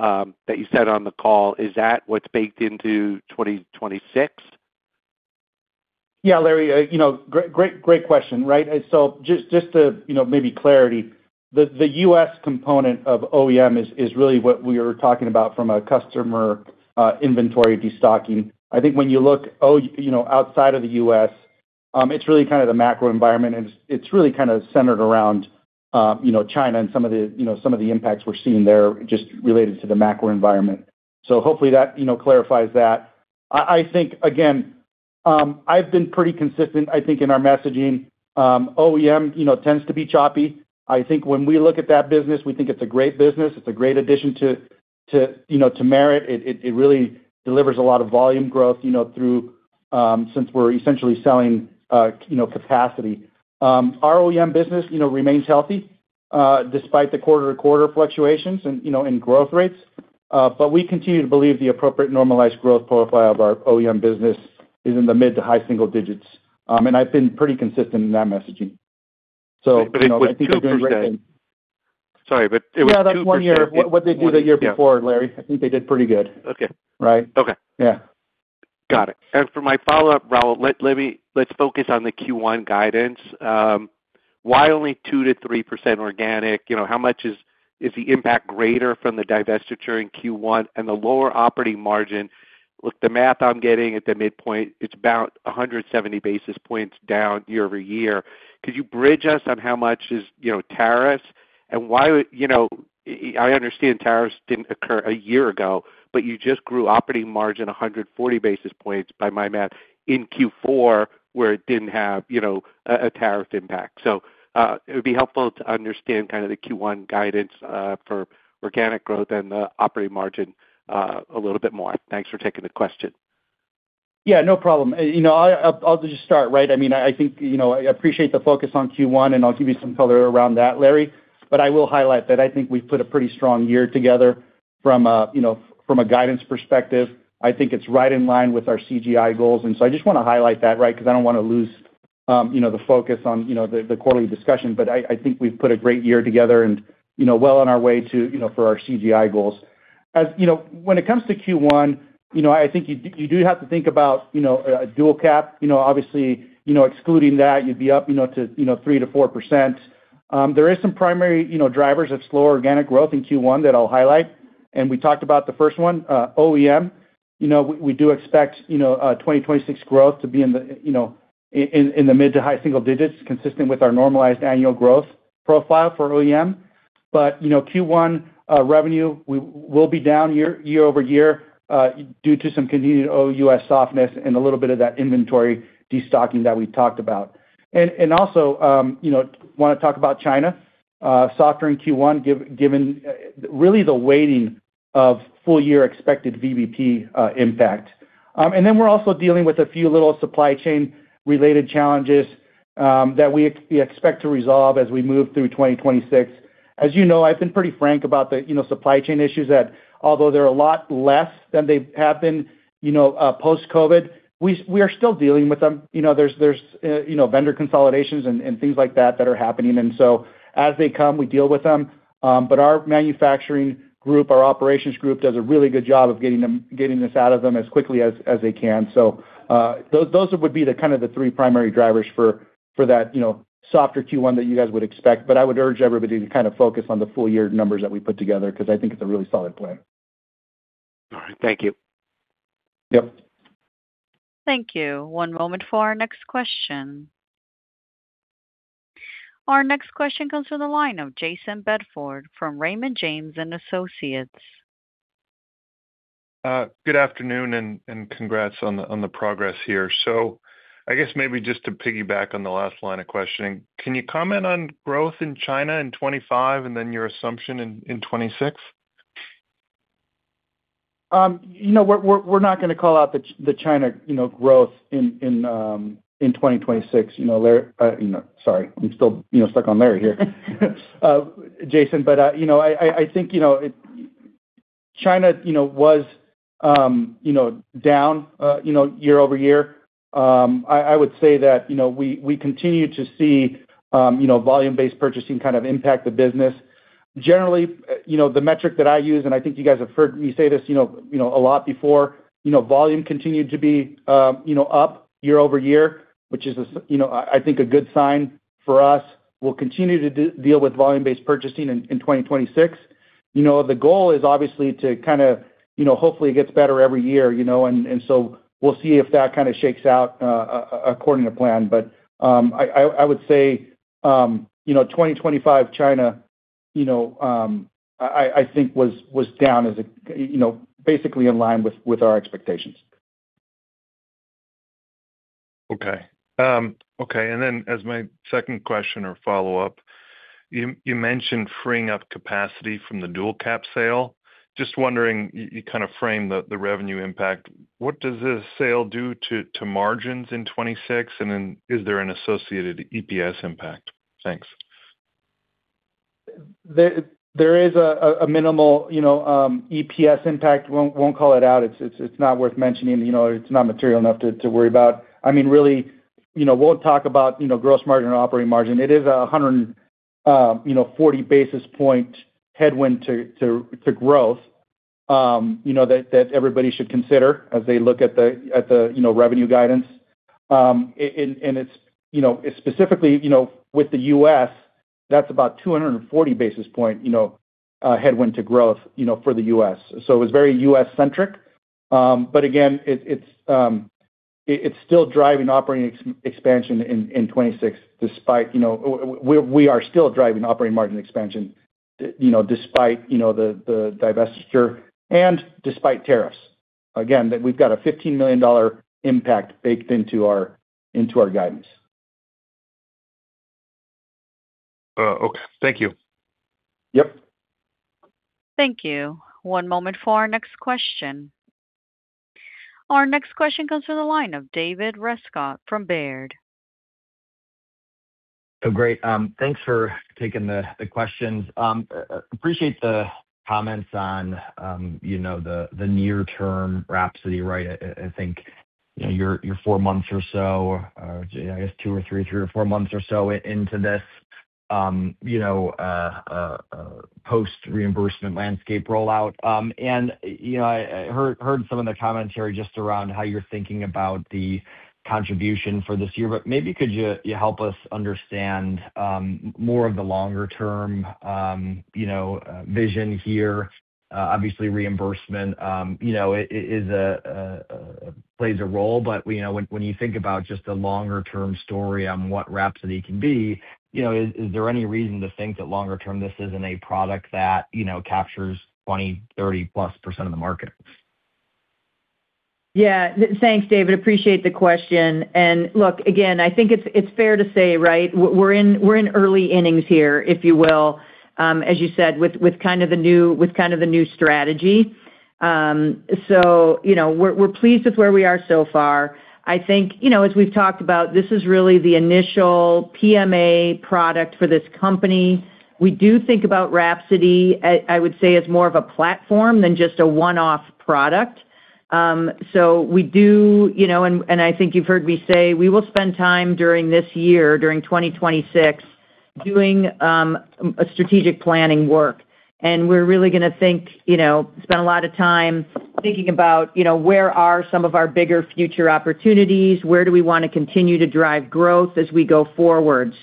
that you said on the call, is that what's baked into 2026? Yeah, Larry, you know, great, great question. Just to, you know, maybe clarity, the U.S. component of OEM is really what we are talking about from a customer, inventory destocking. I think when you look, you know, outside of the U.S., it's really kind of the macro environment, and it's really kind of centered around, you know, China and some of the, you know, some of the impacts we're seeing there just related to the macro environment. Hopefully that, you know, clarifies that. I think, again, I've been pretty consistent, I think, in our messaging. OEM, you know, tends to be choppy. I think when we look at that business, we think it's a great business. It's a great addition to, you know, to Merit. It really delivers a lot of volume growth, you know, through, since we're essentially selling, you know, capacity. Our OEM business, you know, remains healthy, despite the quarter-to-quarter fluctuations and, you know, in growth rates. We continue to believe the appropriate normalized growth profile of our OEM business is in the mid-to-high single digits. I've been pretty consistent in that messaging. It was 2 per se. Yeah, that's 1 year. What, what they do the year before, Larry? I think they did pretty good. Okay. Right? Okay. Yeah. Got it. For my follow-up, Raul, let's focus on the Q1 guidance. Why only 2%-3% organic? You know, how much is the impact greater from the divestiture in Q1 and the lower operating margin? Look, the math I'm getting at the midpoint, it's about 170 basis points down year-over-year. Could you bridge us on how much is, you know, tariffs? Why would, you know, I understand tariffs didn't occur a year ago, but you just grew operating margin 140 basis points, by my math, in Q4, where it didn't have, you know, a tariff impact. It would be helpful to understand kind of the Q1 guidance for organic growth and the operating margin a little bit more. Thanks for taking the question. Yeah, no problem. You know, I'll just start, right? I mean, I think, you know, I appreciate the focus on Q1, and I'll give you some color around that, Larry. I will highlight that I think we've put a pretty strong year together from a, you know, from a guidance perspective. I think it's right in line with our CGI goals. I just want to highlight that, right, 'cause I don't want to lose, you know, the focus on, you know, the quarterly discussion. I think we've put a great year together and, you know, well on our way to, you know, for our CGI goals. As you know, when it comes to Q1, you know, I think you do have to think about, you know, a DualCap. You know, obviously, you know, excluding that, you'd be up, you know, to, you know, 3%-4%. There is some primary, you know, drivers of slower organic growth in Q1 that I'll highlight, and we talked about the first one, OEM. You know, we do expect, you know, 2026 growth to be in the, you know, in the mid to high single digits, consistent with our normalized annual growth profile for OEM. You know, Q1 revenue, we will be down year-over-year due to some continued OUS softness and a little bit of that inventory destocking that we talked about. Also, you know, want to talk about China. Softer in Q1, given really the weighting of full year expected VBP impact. Then we're also dealing with a few little supply chain related challenges, that we expect to resolve as we move through 2026. As you know, I've been pretty frank about the, you know, supply chain issues that although they're a lot less than they have been, you know, post-COVID, we are still dealing with them. You know, there's, you know, vendor consolidations and things like that that are happening. As they come, we deal with them. But our manufacturing group, our operations group, does a really good job of getting this out of them as quickly as they can. Those would be the kind of the three primary drivers for that, you know, softer Q1 that you guys would expect. I would urge everybody to kind of focus on the full year numbers that we put together, 'cause I think it's a really solid plan. All right. Thank you. Yep. Thank you. One moment for our next question. Our next question comes from the line of Jayson Bedford from Raymond James & Associates. Good afternoon, and congrats on the progress here. I guess maybe just to piggyback on the last line of questioning, can you comment on growth in China in 25 and then your assumption in 26? You know, we're not gonna call out the China, you know, growth in 2026, you know, sorry, I'm still, you know, stuck on Larry here. Jason, you know, I think, you know, China, you know, was, you know, down year-over-year. I would say that, you know, we continue to see, you know, volume-based purchasing kind of impact the business. Generally, you know, the metric that I use, and I think you guys have heard me say this, you know, a lot before, you know, volume continued to be, you know, up year-over-year, which is, you know, I think a good sign for us. We'll continue to deal with volume-based purchasing in 2026. You know, the goal is obviously to kind of, you know, hopefully it gets better every year, you know, and so we'll see if that kind of shakes out according to plan. I would say, you know, 2025 China, you know, I think was down as it, you know, basically in line with our expectations. Okay. As my second question or follow-up, you mentioned freeing up capacity from the Dual Cap sale. Just wondering, you kind of framed the revenue impact. What does this sale do to margins in 26? Is there an associated EPS impact? Thanks. There is a minimal, you know, EPS impact. Won't call it out. It's not worth mentioning, you know, it's not material enough to worry about. I mean, really, you know, we'll talk about, you know, gross margin and operating margin. It is a 140 basis point headwind to growth, you know, that everybody should consider as they look at the, at the, you know, revenue guidance. And it's, you know, specifically, you know, with the US, that's about 240 basis point, you know, headwind to growth, you know, for the US. So it's very US-centric. But again, it's still driving operating expansion in 2026, despite, you know... We are still driving operating margin expansion, you know, despite, you know, the divestiture and despite tariffs. Again, that we've got a $15 million impact baked into our guidance. Okay. Thank you. Yep. Thank you. One moment for our next question. Our next question comes from the line of David Rescott from Baird. Great. Thanks for taking the questions. Appreciate the comments on, you know, the near term WRAPSODY, right? I, I think, you know, you're four months or so, I guess two or three or four months or so into this. ... you know, post-reimbursement landscape rollout. You know, I heard some of the commentary just around how you're thinking about the contribution for this year, but maybe could you help us understand more of the longer-term, you know, vision here? Obviously reimbursement, you know, is a plays a role, but, you know, when you think about just the longer-term story on what WRAPSODY can be, you know, is there any reason to think that longer term, this isn't a product that, you know, captures 20, 30-plus % of the market? Yeah. Thanks, David. Appreciate the question. Look, again, I think it's fair to say, right, we're in early innings here, if you will, as you said, with kind of a new strategy. You know, we're pleased with where we are so far. I think, you know, as we've talked about, this is really the initial PMA product for this company. We do think about WRAPSODY, I would say as more of a platform than just a one-off product. We do, you know, and I think you've heard me say, we will spend time during this year, during 2026, doing a strategic planning work. We're really gonna think, you know, spend a lot of time thinking about, you know, where are some of our bigger future opportunities? Where do we wanna continue to drive growth as we go forward?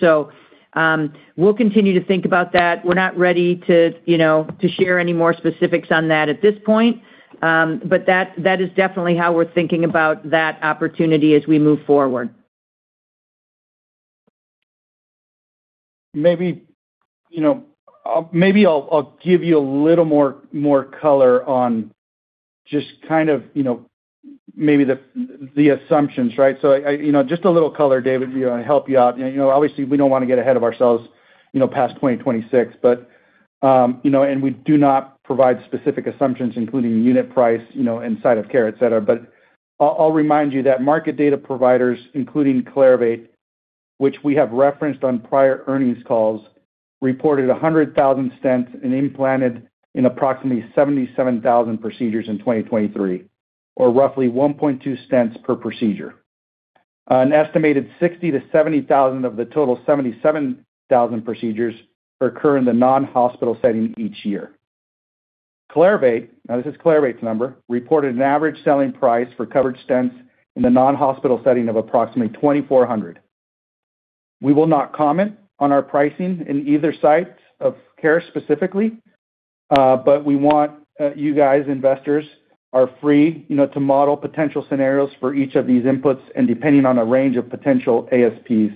We'll continue to think about that. We're not ready to, you know, to share any more specifics on that at this point. That is definitely how we're thinking about that opportunity as we move forward. Maybe, you know, maybe I'll give you a little more color on just kind of, you know, maybe the assumptions, right? I, you know, just a little color, David, to help you out. You know, obviously, we don't wanna get ahead of ourselves, you know, past 2026, but, you know, we do not provide specific assumptions, including unit price, you know, and site of care, et cetera. I'll remind you that market data providers, including Clarivate, which we have referenced on prior earnings calls, reported 100,000 stents and implanted in approximately 77,000 procedures in 2023, or roughly 1.2 stents per procedure. An estimated 60,000-70,000 of the total 77,000 procedures occur in the non-hospital setting each year. Clarivate, now this is Clarivate's number, reported an average selling price for covered stents in the non-hospital setting of approximately $2,400. We will not comment on our pricing in either site of care specifically, but we want, you guys, investors, are free, you know, to model potential scenarios for each of these inputs and depending on a range of potential ASPs.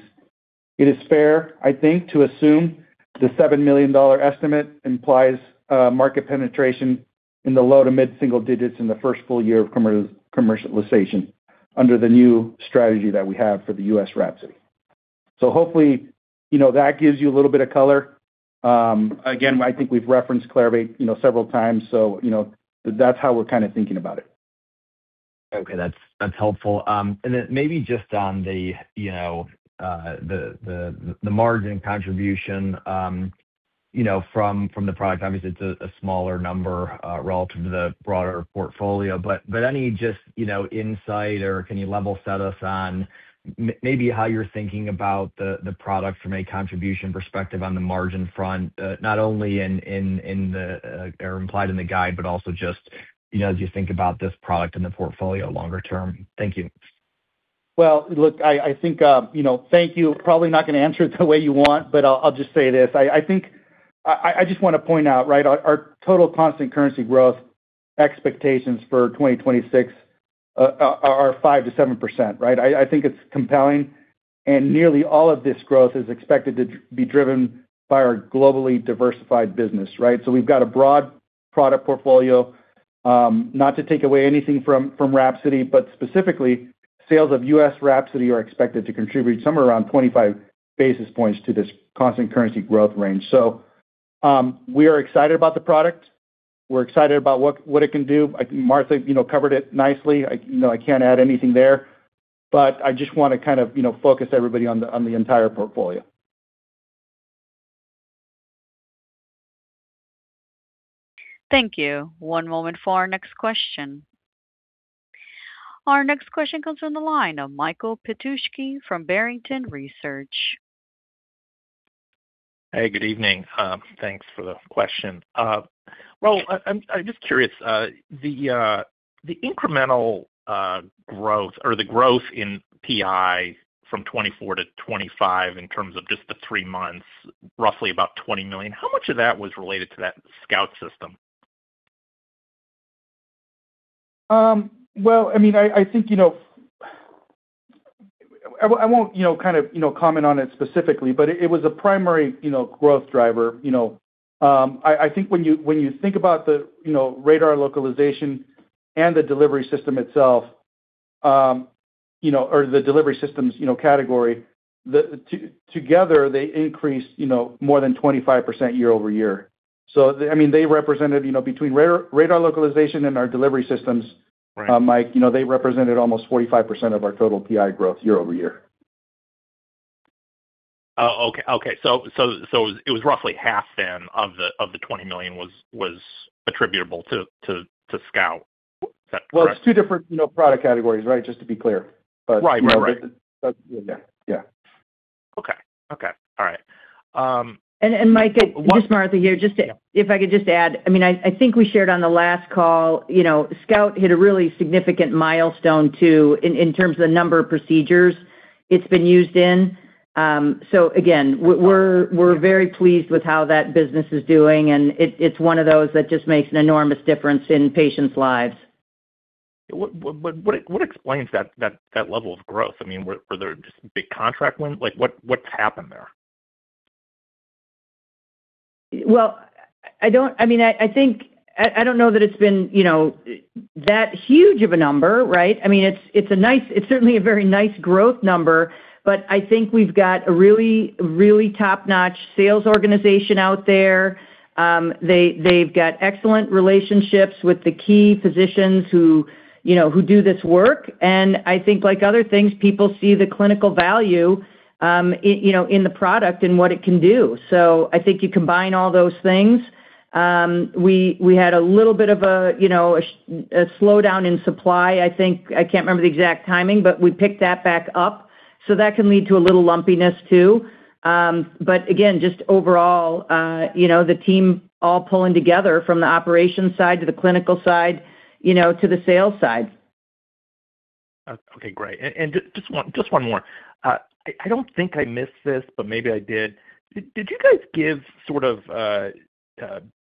It is fair, I think, to assume the $7 million estimate implies market penetration in the low to mid-single digits in the first full year of commercialization under the new strategy that we have for the US WRAPSODY. Hopefully, you know, that gives you a little bit of color. Again, I think we've referenced Clarivate, you know, several times, so you know, that's how we're kind of thinking about it. Okay, that's helpful. Then maybe just on the, you know, the margin contribution, you know, from the product, obviously it's a smaller number, relative to the broader portfolio, but any just, you know, insight or can you level set us on maybe how you're thinking about the product from a contribution perspective on the margin front, not only in the or implied in the guide, but also just, you know, as you think about this product and the portfolio longer term. Thank you. Look, I think, you know, thank you. Probably not gonna answer it the way you want, but I'll just say this: I think, I just wanna point out, right, our total constant currency growth expectations for 2026 are 5%-7%, right? I think it's compelling, nearly all of this growth is expected to be driven by our globally diversified business, right? We've got a broad product portfolio, not to take away anything from WRAPSODY, but specifically, sales of U.S. WRAPSODY are expected to contribute somewhere around 25 basis points to this constant currency growth range. We are excited about the product. We're excited about what it can do. I think Martha, you know, covered it nicely. I, you know, I can't add anything there, but I just wanna kind of, you know, focus everybody on the, on the entire portfolio. Thank you. One moment for our next question. Our next question comes from the line of Michael Petusky from Barrington Research. Hey, good evening. Thanks for the question. I'm just curious, the incremental growth or the growth in PI from 2024 to 2025 in terms of just the 3 months, roughly about $20 million, how much of that was related to that SCOUT system? Well, I mean, I think, you know... I won't, you know, kind of, you know, comment on it specifically, but it was a primary, you know, growth driver, you know. I think when you, when you think about the, you know, Radar Localization and the delivery system itself, you know, or the delivery systems, you know, category, together, they increased, you know, more than 25% year-over-year. I mean, they represented, you know, between Radar Localization and our delivery systems- Right. Mike, you know, they represented almost 45% of our total PI growth year-over-year. Okay. Okay, it was roughly half then of the $20 million was attributable to SCOUT. Is that correct? Well, it's two different, you know, product categories, right? Just to be clear. Right. Right, right. Yeah. Yeah. Okay. Okay, all right. Mike, this is Martha here. Just to, if I could just add, I mean, I think we shared on the last call, you know, SCOUT hit a really significant milestone, too, in terms of the number of procedures it's been used in. So again, we're very pleased with how that business is doing, and it's one of those that just makes an enormous difference in patients' lives. What explains that level of growth? I mean, were there just big contract wins? Like, what's happened there? Well, I mean, I think, I don't know that it's been, you know, that huge of a number, right? I mean, it's certainly a very nice growth number. I think we've got a really top-notch sales organization out there. They've got excellent relationships with the key physicians who, you know, do this work. I think, like other things, people see the clinical value, you know, in the product and what it can do. I think you combine all those things. We had a little bit of a, you know, a slowdown in supply. I think, I can't remember the exact timing. We picked that back up. That can lead to a little lumpiness, too. Again, just overall, you know, the team all pulling together from the operations side to the clinical side, you know, to the sales side. Okay, great. Just one more. I don't think I missed this, but maybe I did. Did you guys give sort of,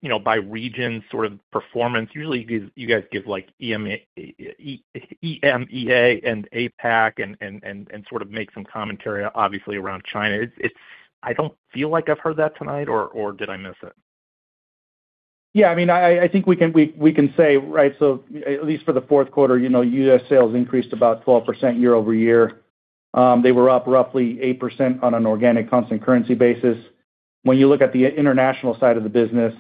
you know, by region sort of performance? Usually, you guys give, like, EMA, EMEA and APAC and sort of make some commentary, obviously, around China. It's I don't feel like I've heard that tonight, or did I miss it? Yeah, I mean, I think we can, we can say, right, at least for the fourth quarter, you know, U.S. sales increased about 12% year-over-year. They were up roughly 8% on an organic constant currency basis. When you look at the international side of the business,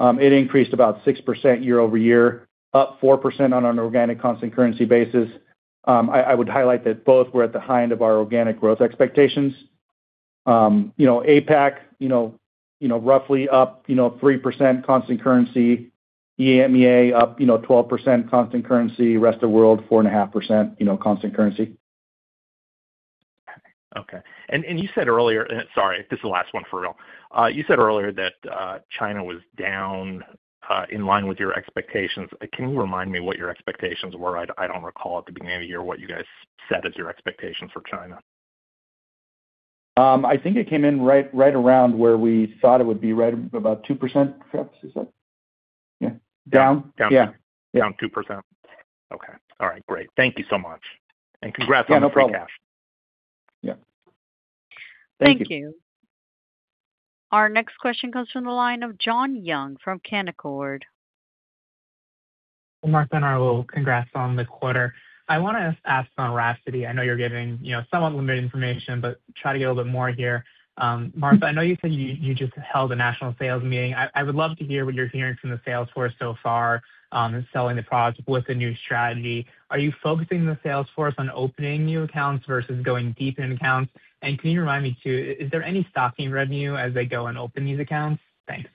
it increased about 6% year-over-year, up 4% on an organic constant currency basis. I would highlight that both were at the high end of our organic growth expectations. You know, APAC, you know, roughly up, you know, 3% constant currency. EMEA up, you know, 12% constant currency. Rest of world, 4.5%, you know, constant currency. Okay. You said earlier... Sorry, this is the last one for real. You said earlier that China was down in line with your expectations. Can you remind me what your expectations were? I don't recall at the beginning of the year, what you guys said as your expectations for China. I think it came in right around where we thought it would be, right about 2%, perhaps, you said? Yeah. Down. Yeah. Down 2%. Okay. All right, great. Thank you so much. Congrats on the forecast. Yeah, no problem. Yeah. Thank you. Our next question comes from the line of John Young from Canaccord Genuity. Mark, Raul, congrats on the quarter. I want to ask on WRAPSODY. I know you're giving, you know, somewhat limited information, but try to get a little bit more here. Martha, I know you said you just held a national sales meeting. I would love to hear what you're hearing from the sales force so far in selling the product with the new strategy. Are you focusing the sales force on opening new accounts versus going deep in accounts? Can you remind me, too, is there any stocking revenue as they go and open these accounts? Thanks.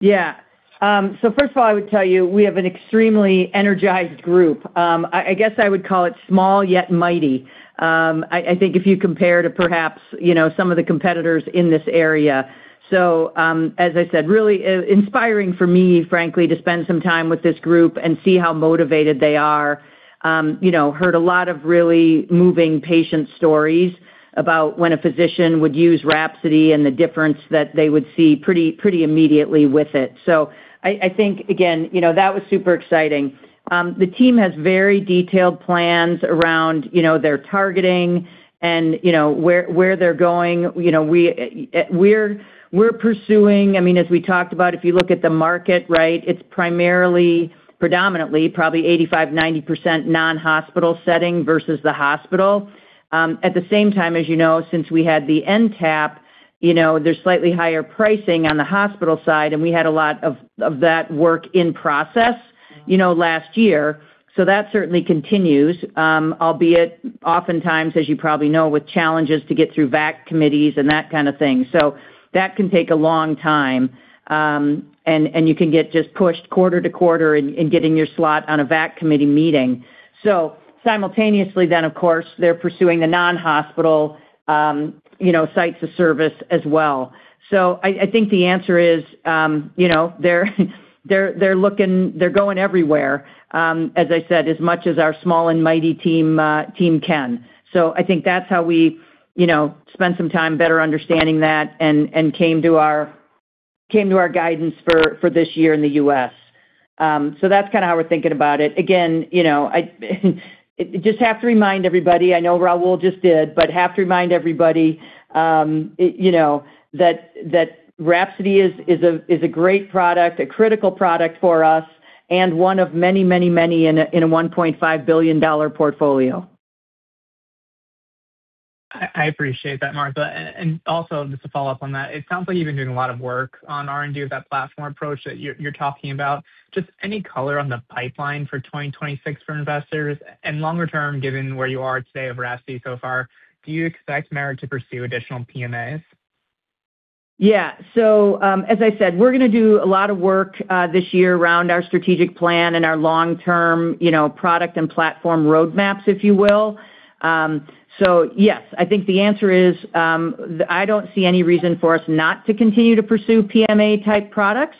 Yeah. First of all, I would tell you, we have an extremely energized group. I guess I would call it small, yet mighty. I think if you compare to perhaps, you know, some of the competitors in this area. As I said, really inspiring for me, frankly, to spend some time with this group and see how motivated they are. You know, heard a lot of really moving patient stories about when a physician would use WRAPSODY and the difference that they would see pretty immediately with it. I think, again, you know, that was super exciting. The team has very detailed plans around, you know, their targeting and, you know, where they're going. You know, we're pursuing... I mean, as we talked about, if you look at the market, right, it's primarily, predominantly, probably 85%-90% non-hospital setting versus the hospital. At the same time, as you know, since we had the NTAP, you know, there's slightly higher pricing on the hospital side, and we had a lot of that work in process, you know, last year. That certainly continues, albeit oftentimes, as you probably know, with challenges to get through VAC committees and that kind of thing. That can take a long time, and you can get just pushed quarter to quarter in getting your slot on a VAC committee meeting. Simultaneously, then, of course, they're pursuing the non-hospital, you know, sites of service as well. I think the answer is, you know, they're going everywhere, as I said, as much as our small and mighty team can. I think that's how we, you know, spent some time better understanding that and came to our guidance for this year in the U.S. That's kind of how we're thinking about it. Again, you know, I just have to remind everybody, I know Raul just did, have to remind everybody, you know, that WRAPSODY is a great product, a critical product for us and one of many in a $1.5 billion portfolio. I appreciate that, Martha. Also just to follow up on that, it sounds like you've been doing a lot of work on R&D with that platform approach that you're talking about. Just any color on the pipeline for 2026 for investors? Longer term, given where you are today with WRAPSODY so far, do you expect Merit to pursue additional PMAs? Yeah. As I said, we're gonna do a lot of work this year around our strategic plan and our long-term, you know, product and platform roadmaps, if you will. Yes, I think the answer is, I don't see any reason for us not to continue to pursue PMA-type products.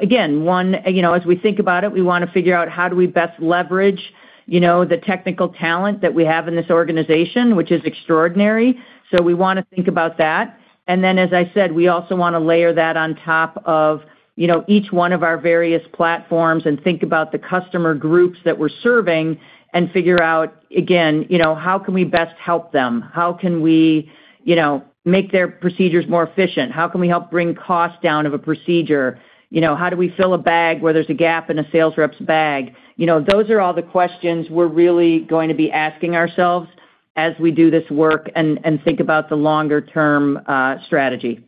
Again, one, you know, as we think about it, we wanna figure out how do we best leverage, you know, the technical talent that we have in this organization, which is extraordinary. We wanna think about that. As I said, we also wanna layer that on top of, you know, each one of our various platforms and think about the customer groups that we're serving and figure out, again, you know, how can we best help them? How can we, you know, make their procedures more efficient? How can we help bring costs down of a procedure? You know, how do we fill a bag where there's a gap in a sales rep's bag? You know, those are all the questions we're really going to be asking ourselves as we do this work and think about the longer-term strategy.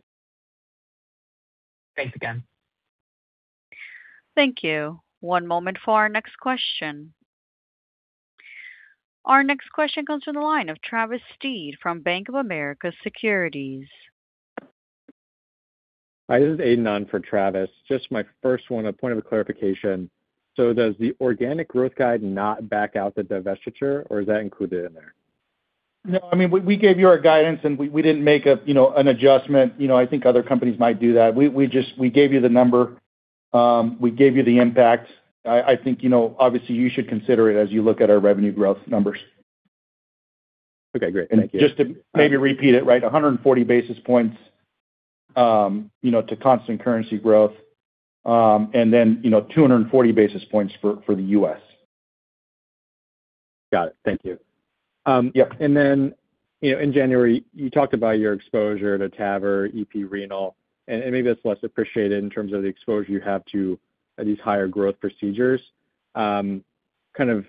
Thanks again. Thank you. One moment for our next question. Our next question comes from the line of Travis Steed from Bank of America Securities. Hi, this is Aiden on for Travis. Just my first one, a point of clarification: Does the organic growth guide not back out the divestiture, or is that included in there? No, I mean, we gave you our guidance, and we didn't make a, you know, an adjustment. You know, I think other companies might do that. We gave you the number. We gave you the impact. I think, you know, obviously, you should consider it as you look at our revenue growth numbers. Okay, great. Thank you. Just to maybe repeat it, right, 140 basis points, you know, to constant currency growth, and then, you know, 240 basis points for the US. Got it. Thank you. Yeah, you know, in January, you talked about your exposure to TAVR, EP renal, and maybe that's less appreciated in terms of the exposure you have to these higher growth procedures. Kind of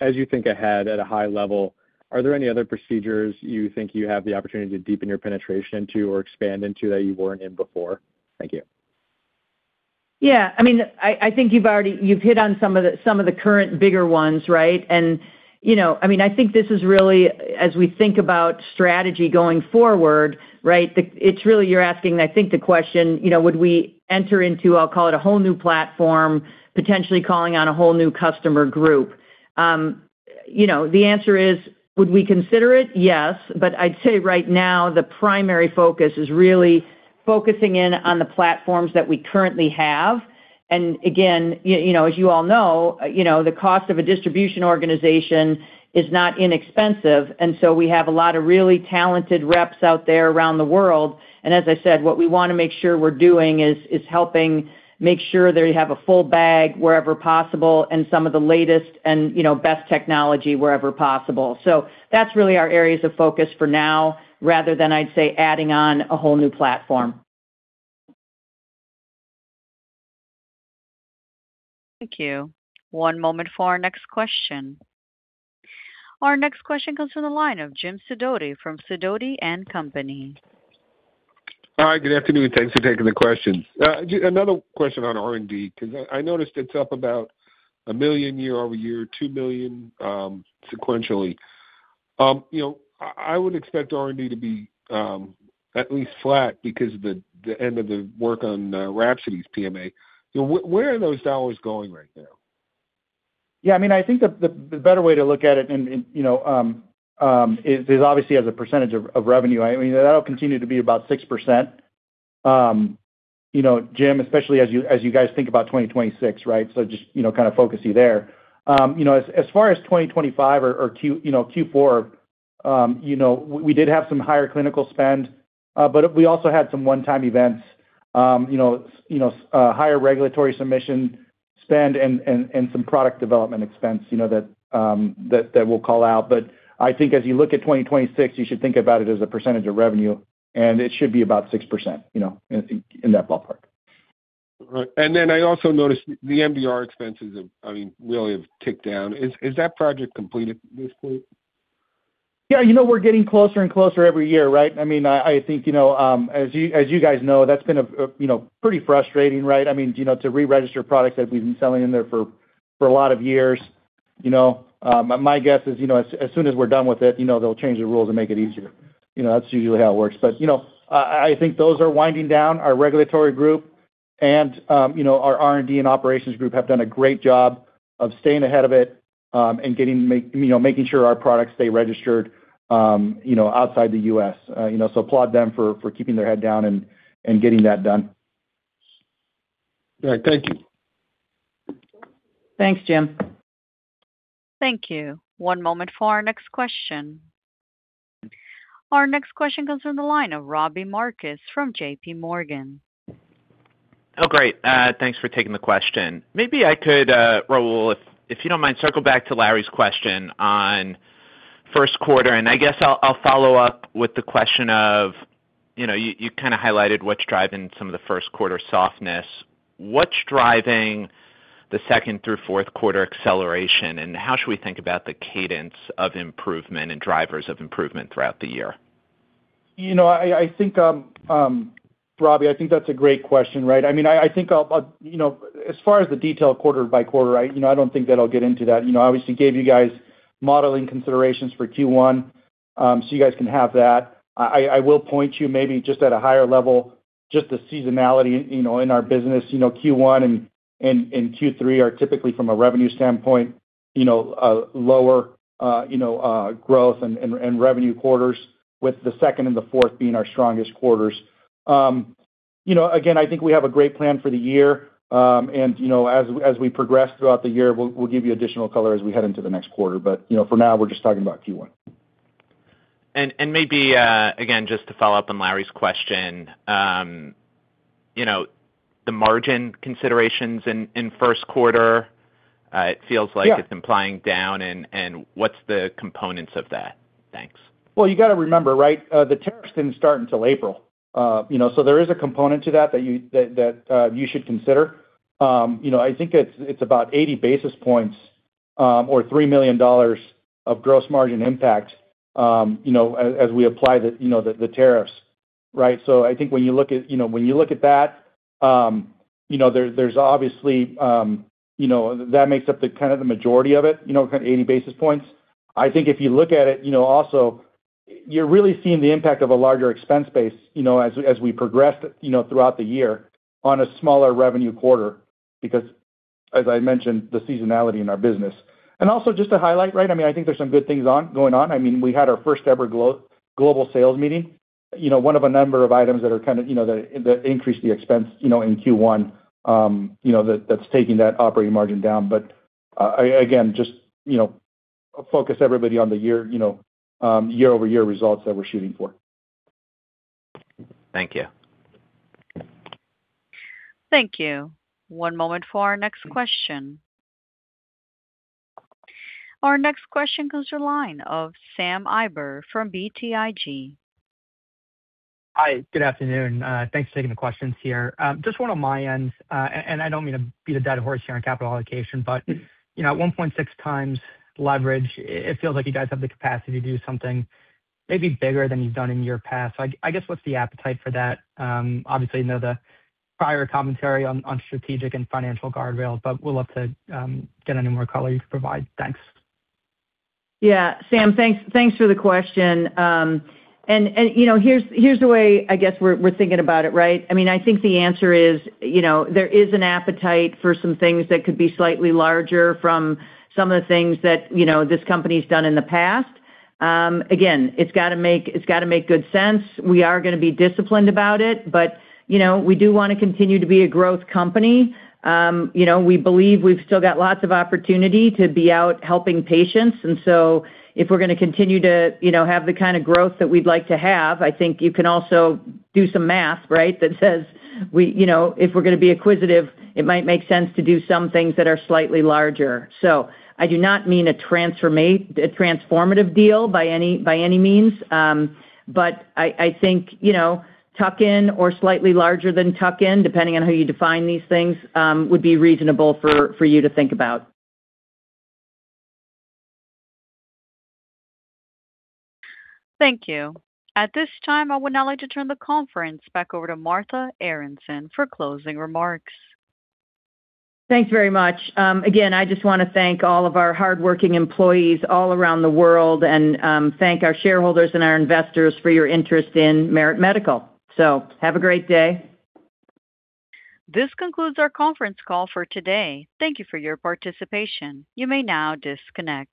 as you think ahead at a high level, are there any other procedures you think you have the opportunity to deepen your penetration to or expand into, that you weren't in before? Thank you. I mean, I think you've hit on some of the current bigger ones, right? You know, I mean, I think this is really as we think about strategy going forward. It's really you're asking, I think, the question, you know, would we enter into, I'll call it, a whole new platform, potentially calling on a whole new customer group? You know, the answer is: would we consider it? Yes. I'd say right now, the primary focus is really focusing in on the platforms that we currently have. Again, you know, as you all know, you know, the cost of a distribution organization is not inexpensive, we have a lot of really talented reps out there around the world. As I said, what we wanna make sure we're doing is helping make sure they have a full bag wherever possible, and some of the latest and, you know, best technology wherever possible. That's really our areas of focus for now, rather than, I'd say, adding on a whole new platform. Thank you. One moment for our next question. Our next question comes from the line of Jim Sidoti from Sidoti & Company. Hi, good afternoon. Thanks for taking the questions. another question on R&D, 'cause I noticed it's up about $1 million year-over-year, $2 million sequentially. you know, I would expect R&D to be at least flat because of the end of the work on WRAPSODY's PMA. where are those dollars going right now? I mean, I think the better way to look at it and, you know, is obviously as a percentage of revenue. I mean, that'll continue to be about 6%. You know, Jim, especially as you guys think about 2026, right? Just, you know, kind of focus you there. You know, as far as 2025 or, you know, Q4, we did have some higher clinical spend, but we also had some one-time events, you know, higher regulatory submission spend and some product development expense, you know, that we'll call out. I think as you look at 2026, you should think about it as a percentage of revenue, and it should be about 6%, you know, I think, in that ballpark. Right. I also noticed the MDR expenses have, I mean, really have ticked down. Is that project completed at this point? Yeah, you know, we're getting closer and closer every year, right? I mean, I think, you know, as you guys know, that's been a, you know, pretty frustrating, right? I mean, you know, to re-register products that we've been selling in there for a lot of years, you know. My guess is, you know, as soon as we're done with it, you know, they'll change the rules and make it easier. You know, that's usually how it works. You know, I think those are winding down. Our regulatory group and, you know, our R&D and operations group have done a great job of staying ahead of it, and getting, you know, making sure our products stay registered, you know, outside the US. you know, applaud them for keeping their head down and getting that done. All right. Thank you. Thanks, Jim. Thank you. One moment for our next question. Our next question comes from the line of Robbie Marcus from JP Morgan. Great. Thanks for taking the question. Maybe I could, Raul, if you don't mind, circle back to Larry's question on first quarter. I guess I'll follow up with the question of, you know, you kind of highlighted what's driving some of the first quarter softness. What's driving the second through fourth quarter acceleration, and how should we think about the cadence of improvement and drivers of improvement throughout the year? You know, I think, Robbie, I think that's a great question, right? I mean, I think I'll. You know, as far as the detailed quarter by quarter, I don't think that I'll get into that. You know, I obviously gave you guys modeling considerations for Q1, so you guys can have that. I will point you maybe just at a higher level, just the seasonality, you know, in our business. You know, Q1 and Q3 are typically from a revenue standpoint, you know, a lower, you know, growth and revenue quarters, with the second and the fourth being our strongest quarters. Again, I think we have a great plan for the year. you know, as we progress throughout the year, we'll give you additional color as we head into the next quarter. you know, for now, we're just talking about Q1. Maybe, again, just to follow up on Larry's question, you know, the margin considerations in first quarter. Yeah. It's implying down, and what's the components of that? Thanks. You gotta remember, right, the tariffs didn't start until April. You know, there is a component to that you should consider. You know, I think it's about 80 basis points, or $3 million of gross margin impact, you know, as we apply the, you know, the tariffs, right? I think when you look at that, you know, there's obviously, you know, that makes up the majority of it, you know, 80 basis points. I think if you look at it, you know, also, you're really seeing the impact of a larger expense base, you know, as we progress, you know, throughout the year on a smaller revenue quarter, because, as I mentioned, the seasonality in our business. Also just to highlight, right? I mean, I think there's some good things ongoing. I mean, we had our first ever global sales meeting, you know, one of a number of items that are kind of, you know, that increase the expense, you know, in Q1, you know, that's taking that operating margin down. Again, just, you know, focus everybody on the year, you know, year-over-year results that we're shooting for. Thank you. Thank you. One moment for our next question. Our next question comes to the line of Sam Eiber from BTIG. Hi, good afternoon. Thanks for taking the questions here. Just one on my end, and I don't mean to beat a dead horse here on capital allocation, but, you know, at 1.6 times leverage, it feels like you guys have the capacity to do something maybe bigger than you've done in the year past. I guess, what's the appetite for that? Obviously, you know, the prior commentary on strategic and financial guardrails, but we'd love to get any more color you could provide. Thanks. Yeah. Sam, thanks for the question. And, you know, here's the way I guess we're thinking about it, right? I mean, I think the answer is, you know, there is an appetite for some things that could be slightly larger from some of the things that, you know, this company's done in the past. Again, it's gotta make good sense. We are gonna be disciplined about it, but, you know, we do wanna continue to be a growth company. You know, we believe we've still got lots of opportunity to be out helping patients. If we're gonna continue to, you know, have the kind of growth that we'd like to have, I think you can also do some math, right? That says you know, if we're gonna be acquisitive, it might make sense to do some things that are slightly larger. I do not mean a transformative deal by any, by any means, but I think, you know, tuck in or slightly larger than tuck in, depending on how you define these things, would be reasonable for you to think about. Thank you. At this time, I would now like to turn the conference back over to Martha Aronson for closing remarks. Thanks very much. again, I just wanna thank all of our hardworking employees all around the world and thank our shareholders and our investors for your interest in Merit Medical. Have a great day. This concludes our conference call for today. Thank you for your participation. You may now disconnect.